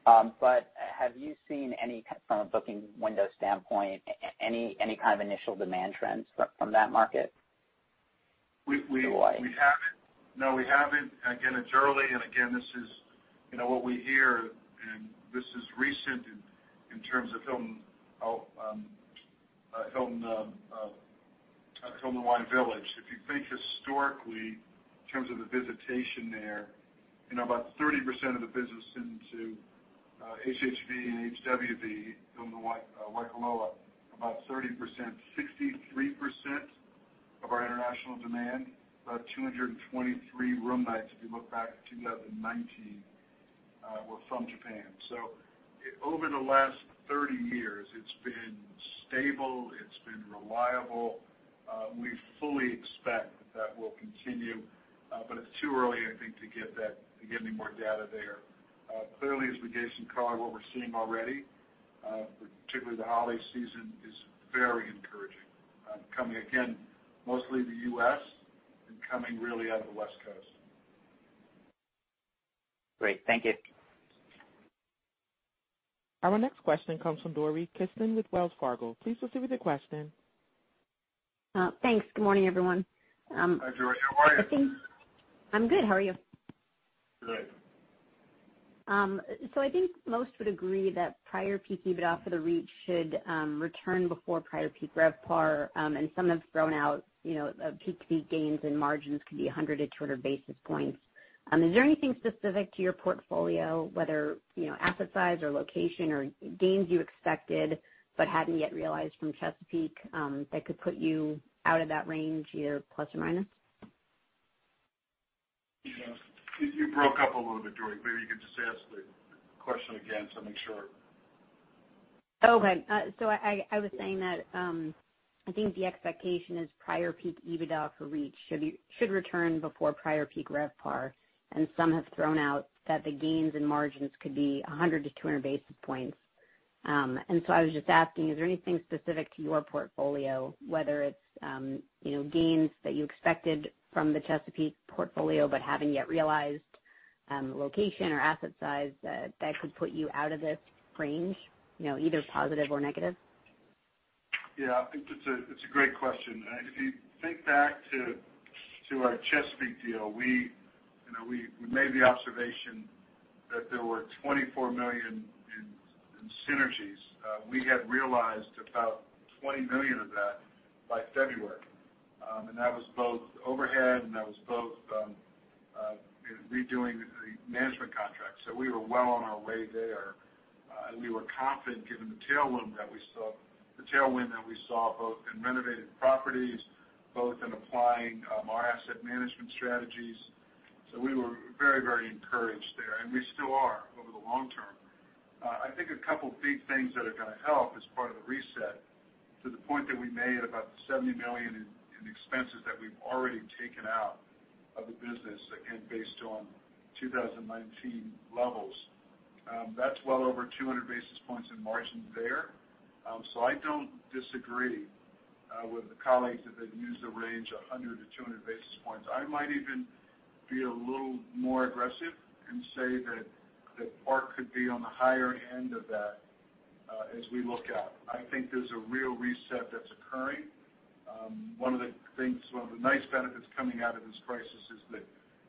[SPEAKER 9] but have you seen any, from a booking window standpoint, any kind of initial demand trends from that market to Hawaii?
[SPEAKER 3] No, we haven't. Again, it's early, and again, this is what we hear, and this is recent in terms of Hilton Hawaiian Village. If you think historically in terms of the visitation there, about 30% of the business into HHV and HWV, Hilton Waikoloa, about 30%. 63% of our international demand, about 223 room nights, if you look back at 2019, were from Japan. Over the last 30 years, it's been stable, it's been reliable. We fully expect that will continue, but it's too early, I think, to get any more data there. Clearly, as we gave some color, what we're seeing already, particularly the holiday season, is very encouraging. Coming again, mostly the U.S. and coming really out of the West Coast.
[SPEAKER 9] Great, thank you.
[SPEAKER 1] Our next question comes from Dori Kesten with Wells Fargo. Please proceed with your question.
[SPEAKER 10] Thanks. Good morning, everyone.
[SPEAKER 3] Hi, Dori. How are you?
[SPEAKER 10] I'm good. How are you?
[SPEAKER 3] Good.
[SPEAKER 10] I think most would agree that prior peak EBITDA for the REITs should return before prior peak RevPAR. Some have thrown out, peak-to-peak gains and margins could be 100-200 basis points. Is there anything specific to your portfolio, whether, asset size or location or gains you expected but hadn't yet realized from Chesapeake, that could put you out of that range, either plus or minus?
[SPEAKER 3] You broke up a little bit, Dori. Maybe you could just ask the question again, so I make sure.
[SPEAKER 10] I was saying that, I think the expectation is prior peak EBITDA for REITs should return before prior peak RevPAR, Some have thrown out that the gains in margins could be 100-200 basis points. I was just asking, is there anything specific to your portfolio, whether it's gains that you expected from the Chesapeake portfolio, but haven't yet realized, location or asset size, that could put you out of this range, either positive or negative?
[SPEAKER 3] Yeah, I think that's a great question. If you think back to our Chesapeake deal, we made the observation that there were $24 million in synergies. We had realized about $20 million of that by February. That was both overhead and that was both redoing the management contract. We were well on our way there. We were confident given the tailwind that we saw both in renovating properties, both in applying our asset management strategies. We were very encouraged there, and we still are over the long term. I think a couple big things that are going to help as part of the reset, to the point that we made about the $70 million in expenses that we've already taken out of the business, again, based on 2019 levels. That's well over 200 basis points in margin there. I don't disagree with the colleagues that have used the range of 100-200 basis points. I might even be a little more aggressive and say that Park could be on the higher end of that as we look out. I think there's a real reset that's occurring. One of the nice benefits coming out of this crisis is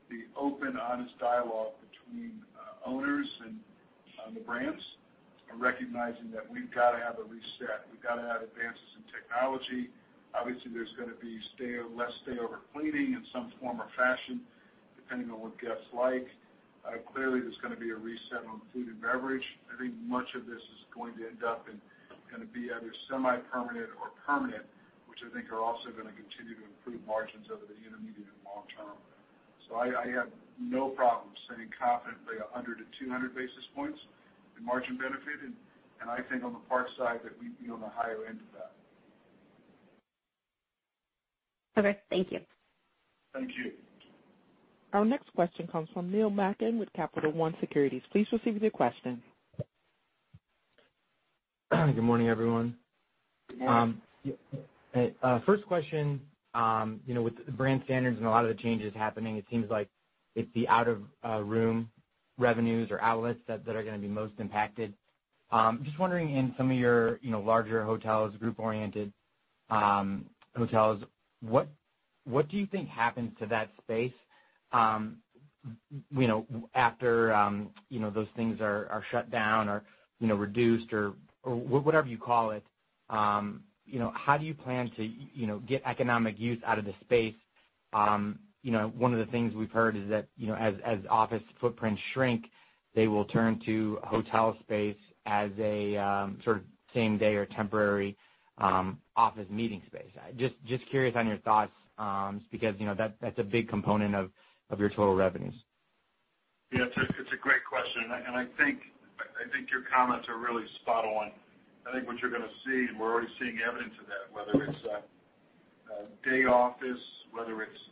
[SPEAKER 3] the open, honest dialogue between owners and the brands are recognizing that we've got to have a reset. We've got to have advances in technology. Obviously, there's going to be less stay-over cleaning in some form or fashion, depending on what guests like. Clearly, there's going to be a reset on food and beverage. I think much of this is going to end up going to be either semi-permanent or permanent, which I think are also going to continue to improve margins over the intermediate and long term. I have no problem saying confidently 100-200 basis points in margin benefit, and I think on the Park side, that we'd be on the higher end of that.
[SPEAKER 10] Okay, thank you.
[SPEAKER 3] Thank you.
[SPEAKER 1] Our next question comes from Neil Malkin with Capital One Securities. Please proceed with your question.
[SPEAKER 11] Good morning, everyone.
[SPEAKER 3] Good morning.
[SPEAKER 11] First question, with brand standards and a lot of the changes happening, it seems like it's the out-of-room revenues or outlets that are going to be most impacted. Just wondering, in some of your larger hotels, group-oriented hotels, what do you think happens to that space after those things are shut down or reduced or whatever you call it? How do you plan to get economic use out of the space? One of the things we've heard is that as office footprints shrink, they will turn to hotel space as a sort of same-day or temporary office meeting space. Just curious on your thoughts, because that's a big component of your total revenues.
[SPEAKER 3] Yeah, it's a great question, and I think your comments are really spot on. I think what you're going to see, and we're already seeing evidence of that, whether it's day office, whether it's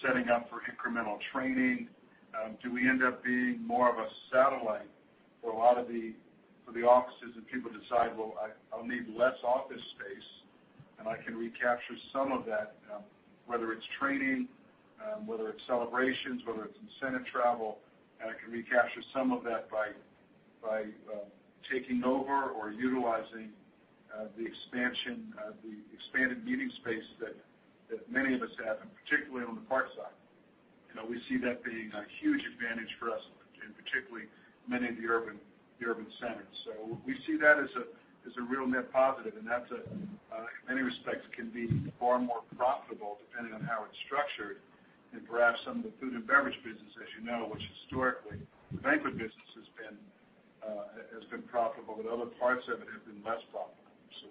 [SPEAKER 3] setting up for incremental training. Do we end up being more of a satellite for the offices, and people decide, "Well, I'll need less office space, and I can recapture some of that," whether it's training, whether it's celebrations, whether it's incentive travel, and it can recapture some of that by taking over or utilizing the expanded meeting space that many of us have, and particularly on the Park side. We see that being a huge advantage for us, and particularly many of the urban centers, we see that as a real net positive, and that, in many respects, can be far more profitable depending on how it's structured than perhaps some of the food and beverage business, as you know, which historically, the banquet business has been profitable, but other parts of it have been less profitable.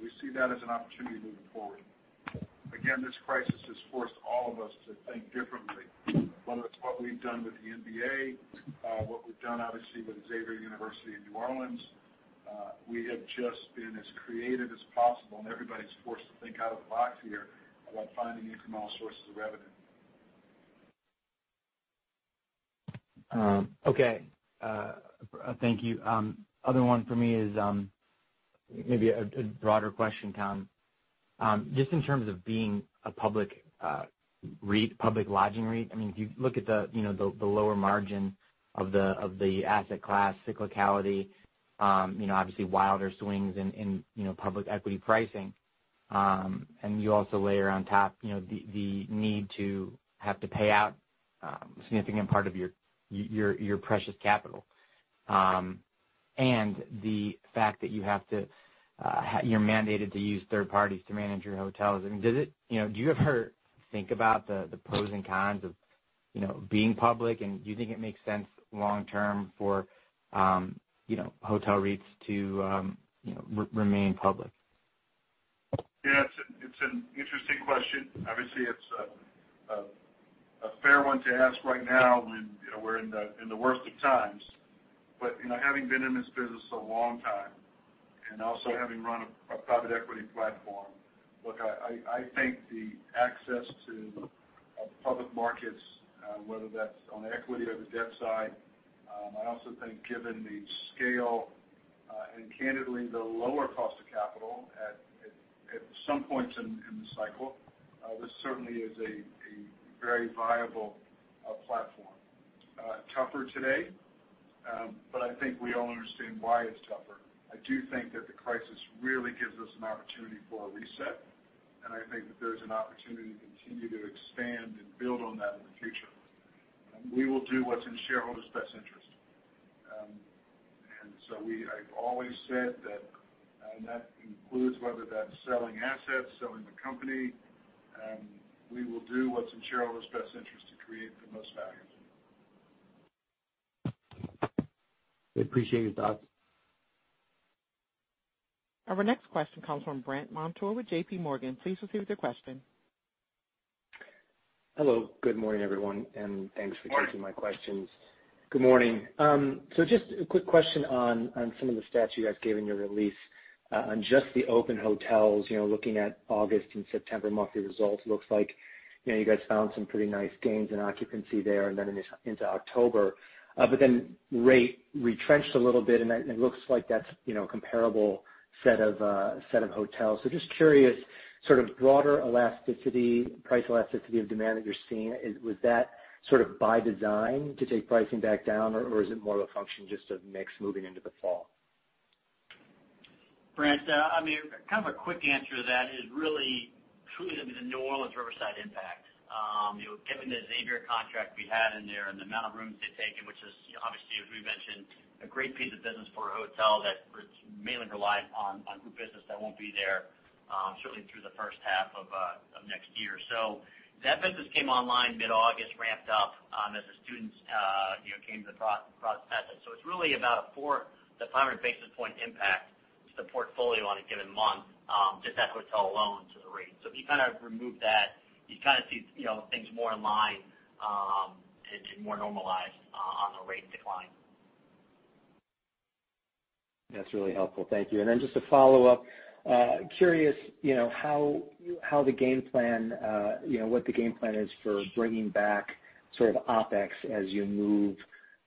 [SPEAKER 3] We see that as an opportunity moving forward. Again, this crisis has forced all of us to think differently, whether it's what we've done with the NBA, what we've done, obviously, with Xavier University in New Orleans. We have just been as creative as possible, and everybody's forced to think out of the box here about finding incremental sources of revenue.
[SPEAKER 11] Okay. Thank you. Other one for me is maybe a broader question, Tom. Just in terms of being a public lodging REIT. If you look at the lower margin of the asset class cyclicality, obviously wilder swings in public equity pricing. You also layer on top the need to have to pay out a significant part of your precious capital. The fact that you're mandated to use third parties to manage your hotels. Do you ever think about the pros and cons of being public, and do you think it makes sense long term for hotel REITs to remain public?
[SPEAKER 3] Yeah, it's an interesting question. Obviously, it's a fair one to ask right now when we're in the worst of times. Having been in this business a long time and also having run a private equity platform, look, I think the access to public markets, whether that's on the equity or the debt side, I also think given the scale, and candidly, the lower cost of capital at some points in the cycle, this certainly is a very viable platform. Tougher today, but I think we all understand why it's tougher. I do think that the crisis really gives us an opportunity for a reset, and I think that there's an opportunity to continue to expand and build on that in the future. We will do what's in shareholders' best interest. I've always said that, and that includes whether that's selling assets, selling the company, we will do what's in shareholders' best interest to create the most value.
[SPEAKER 11] We appreciate your thoughts.
[SPEAKER 1] Our next question comes from Brandt Montour with JPMorgan. Please proceed with your question.
[SPEAKER 12] Hello. Good morning, everyone, and thanks for taking my questions.
[SPEAKER 3] Morning.
[SPEAKER 12] Good morning. Just a quick question on some of the stats you guys gave in your release on just the open hotels, looking at August and September monthly results, looks like you guys found some pretty nice gains in occupancy there and then into October. Rate retrenched a little bit, and it looks like that's comparable set of hotels. Just curious, sort of broader elasticity, price elasticity of demand that you're seeing. Was that sort of by design to take pricing back down, or is it more of a function just of mix moving into the fall?
[SPEAKER 4] Brandt, kind of a quick answer to that is really truly the New Orleans Riverside impact. Given the Xavier contract we had in there and the amount of rooms they've taken, which is obviously, as we've mentioned, a great piece of business for a hotel that mainly relies on group business that won't be there, certainly through the first half of next year. That business came online mid-August, ramped up as the students came to the process. It's really about a 400-500 basis points impact to the portfolio on a given month, just that hotel alone to the rate. If you kind of remove that, you kind of see things more in line and more normalized on the rate decline.
[SPEAKER 12] That's really helpful. Thank you. Just a follow-up. Curious what the game plan is for bringing back sort of OpEx as you move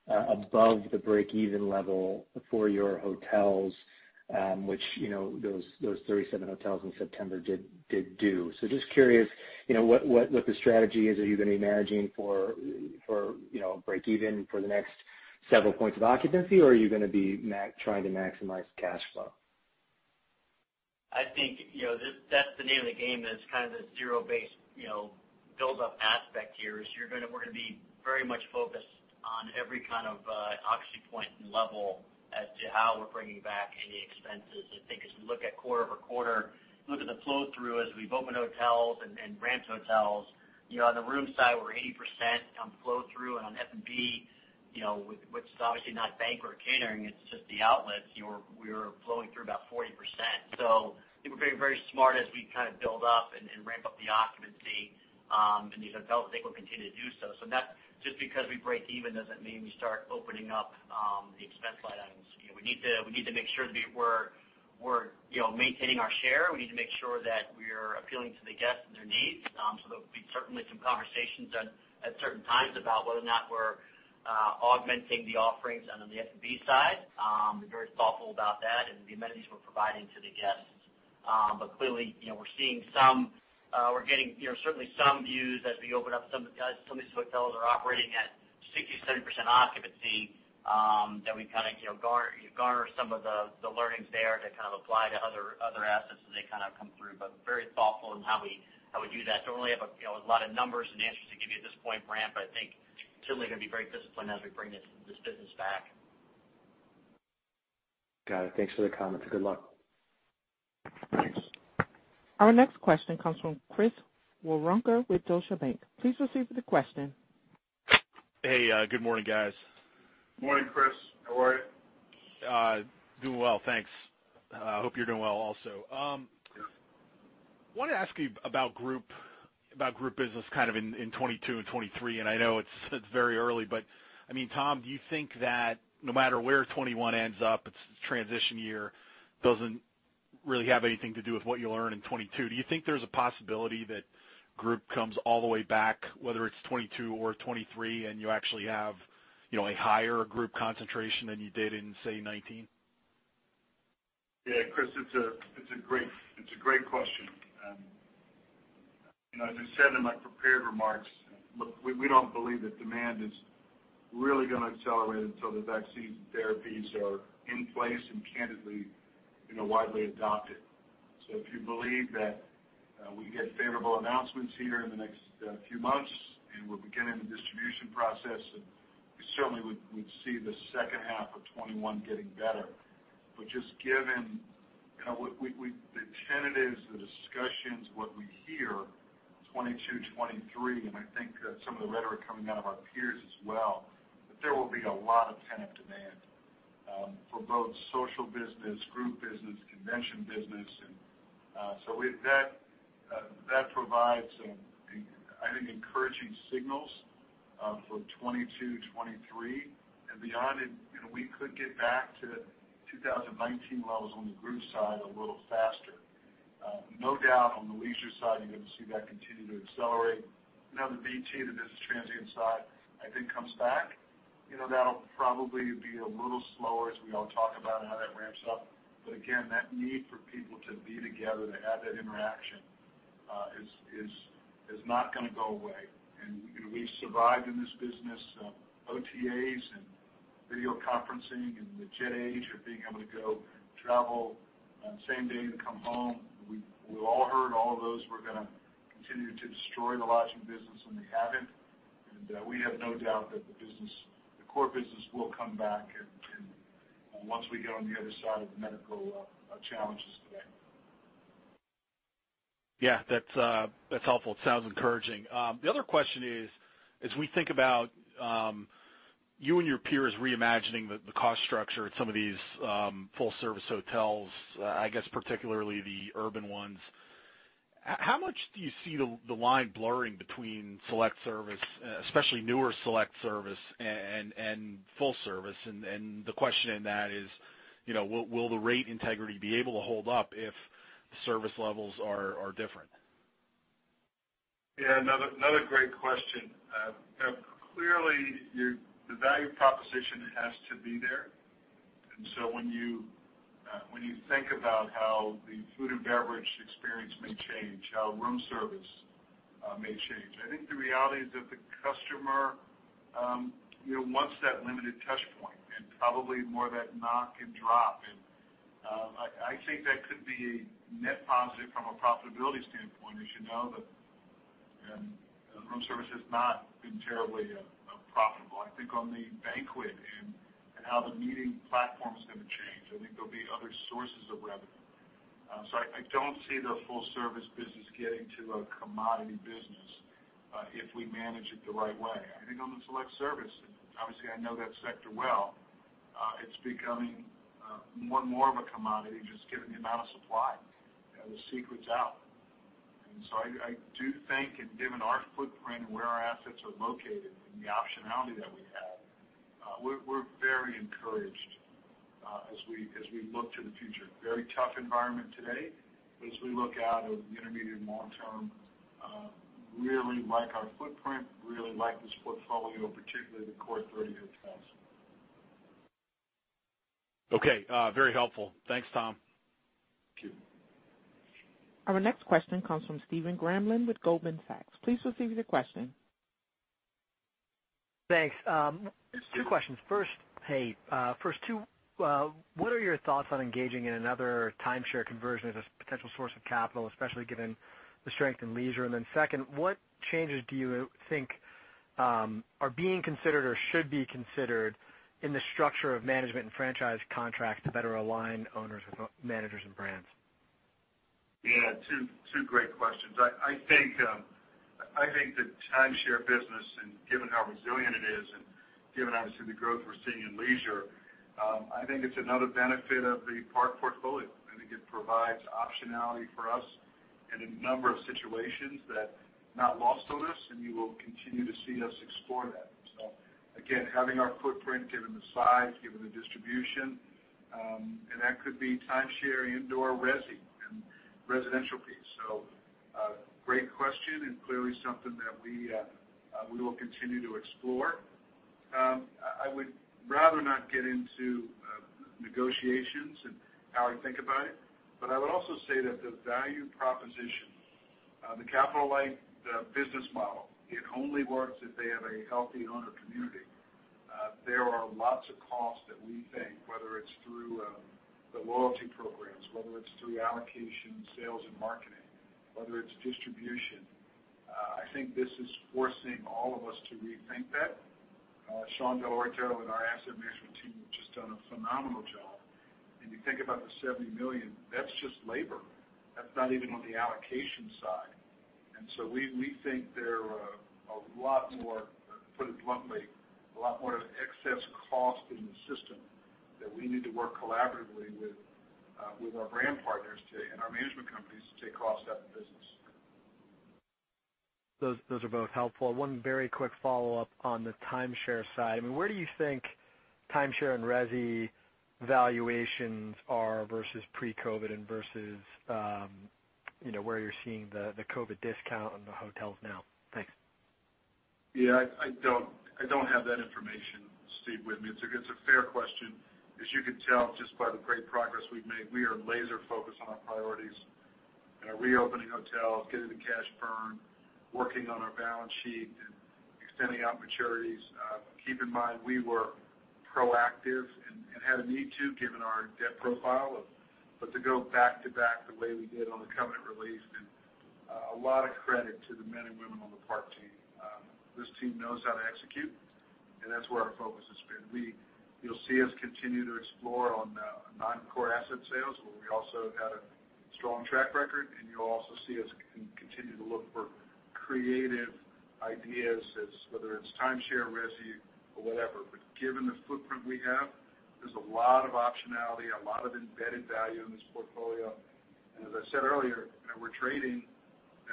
[SPEAKER 12] above the break-even level for your hotels, which those 37 hotels in September did do. Just curious, what the strategy is. Are you going to be managing for break-even for the next several points of occupancy, or are you going to be trying to maximize cash flow?
[SPEAKER 4] I think that's the name of the game is kind of the zero-based build-up aspect here, is we're going to be very much focused on every kind of occupancy point and level as to how we're bringing back any expenses. I think as we look at quarter-over-quarter, look at the flow-through as we've opened hotels and ramped hotels. On the room side, we're 80% on flow-through and on F&B, which is obviously not banquet or catering, it's just the outlets, we're flowing through about 40%. I think we're being very smart as we kind of build up and ramp up the occupancy in these hotels. I think we'll continue to do so. Just because we break even doesn't mean we start opening up the expense line items. We need to make sure that we're maintaining our share. We need to make sure that we're appealing to the guests and their needs. There'll be certainly some conversations at certain times about whether or not we're augmenting the offerings on the F&B side. We're very thoughtful about that and the amenities we're providing to the guests. Clearly we're getting certainly some views as we open up. Some of these hotels are operating at 60%, 70% occupancy that we kind of garner some of the learnings there to kind of apply to other assets and they kind of come through. We're very thoughtful of how we use that. I don't really have a lot of numbers and answers to give you at this point, Brandt, but I think certainly going to be very disciplined as we bring this business back.
[SPEAKER 12] Got it. Thanks for the comments. Good luck.
[SPEAKER 4] Thanks.
[SPEAKER 1] Our next question comes from Chris Woronka with Deutsche Bank. Please proceed with the question.
[SPEAKER 13] Hey, good morning, guys.
[SPEAKER 3] Morning, Chris. How are you?
[SPEAKER 13] Doing well, thanks. I hope you're doing well also. Wanted to ask you about group business kind of in 2022 and 2023, and I know it's very early, but Tom, do you think that no matter where 2021 ends up, its transition year doesn't really have anything to do with what you'll earn in 2022? Do you think there's a possibility that group comes all the way back, whether it's 2022 or 2023, and you actually have a higher group concentration than you did in, say, 2019?
[SPEAKER 3] Chris, it's a great question. As I said in my prepared remarks, look, we don't believe that demand is really going to accelerate until the vaccine therapies are in place and candidly widely adopted. If you believe that we get favorable announcements here in the next few months and we'll begin in the distribution process, then we certainly would see the second half of 2021 getting better. Just given the tentatives, the discussions, what we hear, 2022, 2023, and I think that some of the rhetoric coming out of our peers as well, that there will be a lot of pent-up demand for both social business, group business, convention business. That provides, I think, encouraging signals for 2022, 2023 and beyond. We could get back to 2019 levels on the group side a little faster. No doubt on the leisure side, you're going to see that continue to accelerate. Now, the BT, the business transient side, I think comes back. That'll probably be a little slower as we all talk about and how that ramps up. Again, that need for people to be together, to have that interaction is not going to go away. We've survived in this business of OTAs and video conferencing and the jet age of being able to go travel on same day and come home. We all heard all of those were going to continue to destroy the lodging business, and they haven't. We have no doubt that the core business will come back once we get on the other side of the medical challenges today.
[SPEAKER 13] Yeah. That's helpful. It sounds encouraging. The other question is, as we think about you and your peers reimagining the cost structure at some of these full-service hotels, I guess particularly the urban ones, how much do you see the line blurring between select service, especially newer select service and full service? The question in that is, will the rate integrity be able to hold up if the service levels are different?
[SPEAKER 3] Yeah. Another great question. Clearly, the value proposition has to be there. When you think about how the food and beverage experience may change, how room service may change, I think the reality is that the customer wants that limited touch point and probably more that knock and drop. I think that could be a net positive from a profitability standpoint. As you know, the room service has not been terribly profitable. I think on the banquet and how the meeting platform is going to change, I think there'll be other sources of revenue. I don't see the full-service business getting to a commodity business, if we manage it the right way. I think on the select service, and obviously I know that sector well, it's becoming more and more of a commodity just given the amount of supply. The secret's out. I do think, and given our footprint and where our assets are located and the optionality that we have, we're very encouraged as we look to the future. Very tough environment today, but as we look out over the intermediate and long term, really like our footprint, really like this portfolio, particularly the core 30 hotels.
[SPEAKER 13] Okay. Very helpful. Thanks, Tom.
[SPEAKER 3] Thank you.
[SPEAKER 1] Our next question comes from Stephen Grambling with Goldman Sachs. Please proceed with your question.
[SPEAKER 14] Thanks. Two questions. First, what are your thoughts on engaging in another timeshare conversion as a potential source of capital, especially given the strength in leisure? Second, what changes do you think are being considered or should be considered in the structure of management and franchise contracts to better align owners with managers and brands?
[SPEAKER 3] Yeah. Two great questions. I think the timeshare business, and given how resilient it is, and given obviously the growth we're seeing in leisure, I think it's another benefit of the Park portfolio. I think it provides optionality for us in a number of situations that are not lost on us, and you will continue to see us explore that. Again, having our footprint, given the size, given the distribution, and that could be timeshare into our resi, residential piece. Great question and clearly something that we will continue to explore. I would rather not get into negotiations and how I think about it, but I would also say that the value proposition, the capital-light business model, it only works if they have a healthy owner community. There are lots of costs that we think, whether it's through the loyalty programs, whether it's through allocation, sales, and marketing, whether it's distribution, I think this is forcing all of us to rethink that. Sean Dell'Orto and our asset management team have just done a phenomenal job. You think about the $70 million, that's just labor. That's not even on the allocation side. We think there are a lot more, put it bluntly, a lot more excess cost in the system that we need to work collaboratively with our brand partners and our management companies to take costs out of the business.
[SPEAKER 14] Those are both helpful. One very quick follow-up on the timeshare side. Where do you think timeshare and resi valuations are versus pre-COVID and versus where you're seeing the COVID discount on the hotels now? Thanks.
[SPEAKER 3] Yeah. I don't have that information, Steve, with me. It's a fair question. As you can tell just by the great progress we've made, we are laser-focused on our priorities and are reopening hotels, getting the cash burn, working on our balance sheet, and extending out maturities. Keep in mind, we were proactive and had a need to, given our debt profile, but to go back-to-back the way we did on the covenant release, and a lot of credit to the men and women on the Park team. This team knows how to execute, and that's where our focus has been. You'll see us continue to explore on non-core asset sales where we also have had a strong track record, and you'll also see us continue to look for creative ideas, whether it's timeshare, resi, or whatever. Given the footprint we have, there's a lot of optionality, a lot of embedded value in this portfolio. As I said earlier, we're trading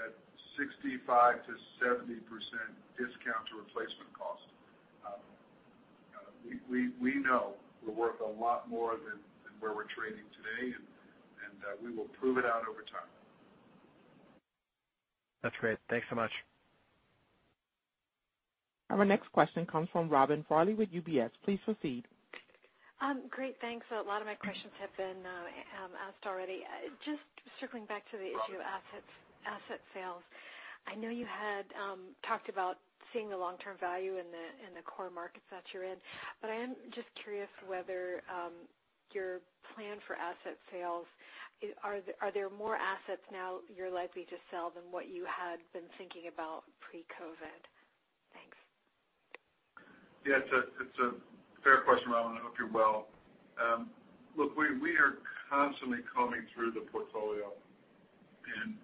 [SPEAKER 3] at 65%-70% discount to replacement cost. We know we're worth a lot more than where we're trading today, we will prove it out over time.
[SPEAKER 14] That's great. Thanks so much.
[SPEAKER 1] Our next question comes from Robin Farley with UBS. Please proceed.
[SPEAKER 15] Great. Thanks. A lot of my questions have been asked already. Just circling back to the issue, asset sales. I know you had talked about seeing a long-term value in the core markets that you're in. I am just curious whether your plan for asset sales, are there more assets now you're likely to sell than what you had been thinking about pre-COVID? Thanks.
[SPEAKER 3] Yeah. It's a fair question, Robin. I hope you're well. Look, we are constantly combing through the portfolio, and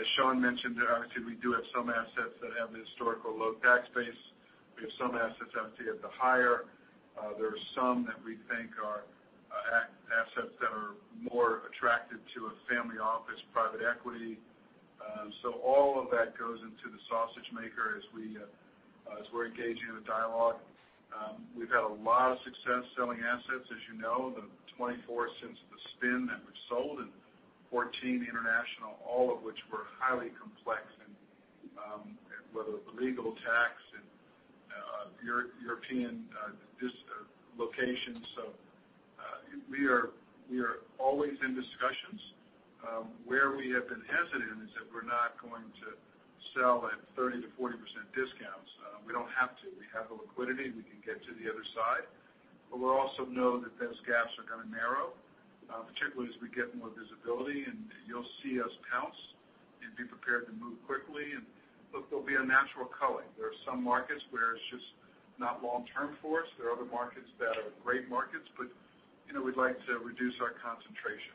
[SPEAKER 3] as Sean mentioned, we do have some assets that have a historical low tax base. We have some assets obviously at the higher. There are some that we think are assets that are more attractive to a family office, private equity. All of that goes into the sausage maker as we're engaging in a dialogue. We've had a lot of success selling assets. As you know, the 24 since the spin that we've sold and 14 international, all of which were highly complex and, whether the legal tax and European locations. We are always in discussions. Where we have been hesitant is that we're not going to sell at 30%-40% discounts. We don't have to. We have the liquidity. We can get to the other side, but we also know that those gaps are going to narrow, particularly as we get more visibility, and you'll see us pounce and be prepared to move quickly. Look, there'll be a natural culling. There are some markets where it's just not long-term for us. There are other markets that are great markets, but we'd like to reduce our concentration.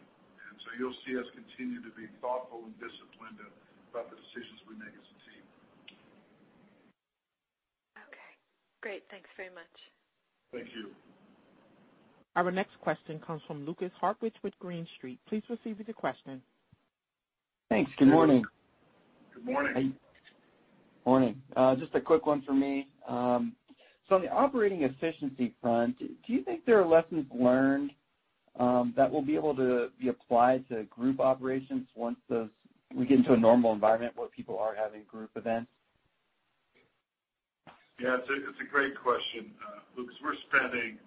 [SPEAKER 3] You'll see us continue to be thoughtful and disciplined about the decisions we make as a team.
[SPEAKER 15] Okay, great. Thanks very much.
[SPEAKER 3] Thank you.
[SPEAKER 1] Our next question comes from Lukas Hartwich with Green Street. Please proceed with your question.
[SPEAKER 16] Thanks. Good morning.
[SPEAKER 3] Good morning.
[SPEAKER 16] Morning. Just a quick one for me. On the operating efficiency front, do you think there are lessons learned that will be able to be applied to group operations once we get into a normal environment where people are having group events?
[SPEAKER 3] Yeah. It's a great question, Lukas. We're spending,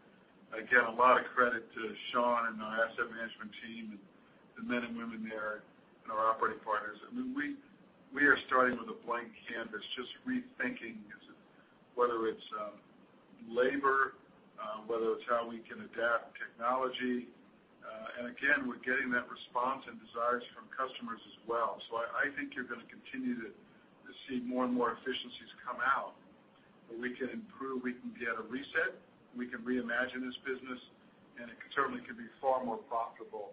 [SPEAKER 3] again, a lot of credit to Sean and our asset management team and the men and women there and our operating partners. We are starting with a blank canvas, just rethinking whether it's labor, whether it's how we can adapt technology. Again, we're getting that response and desires from customers as well. I think you're going to continue to see more and more efficiencies come out where we can improve, we can get a reset, we can reimagine this business, and it certainly can be far more profitable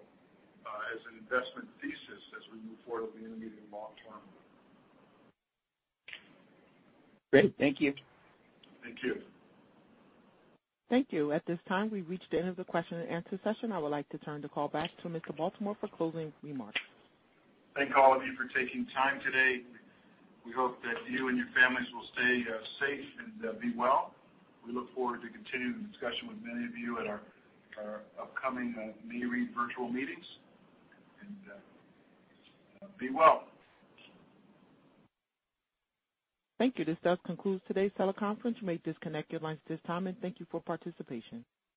[SPEAKER 3] as an investment thesis as we move forward over the intermediate and long term.
[SPEAKER 16] Great. Thank you.
[SPEAKER 3] Thank you.
[SPEAKER 1] Thank you. At this time, we've reached the end of the question-and-answer session. I would like to turn the call back to Mr. Baltimore for closing remarks.
[SPEAKER 3] Thank all of you for taking time today. We hope that you and your families will stay safe and be well. We look forward to continuing the discussion with many of you at our upcoming Nareit virtual meetings. Be well.
[SPEAKER 1] Thank you. This does conclude today's teleconference. You may disconnect your lines at this time, and thank you for participation.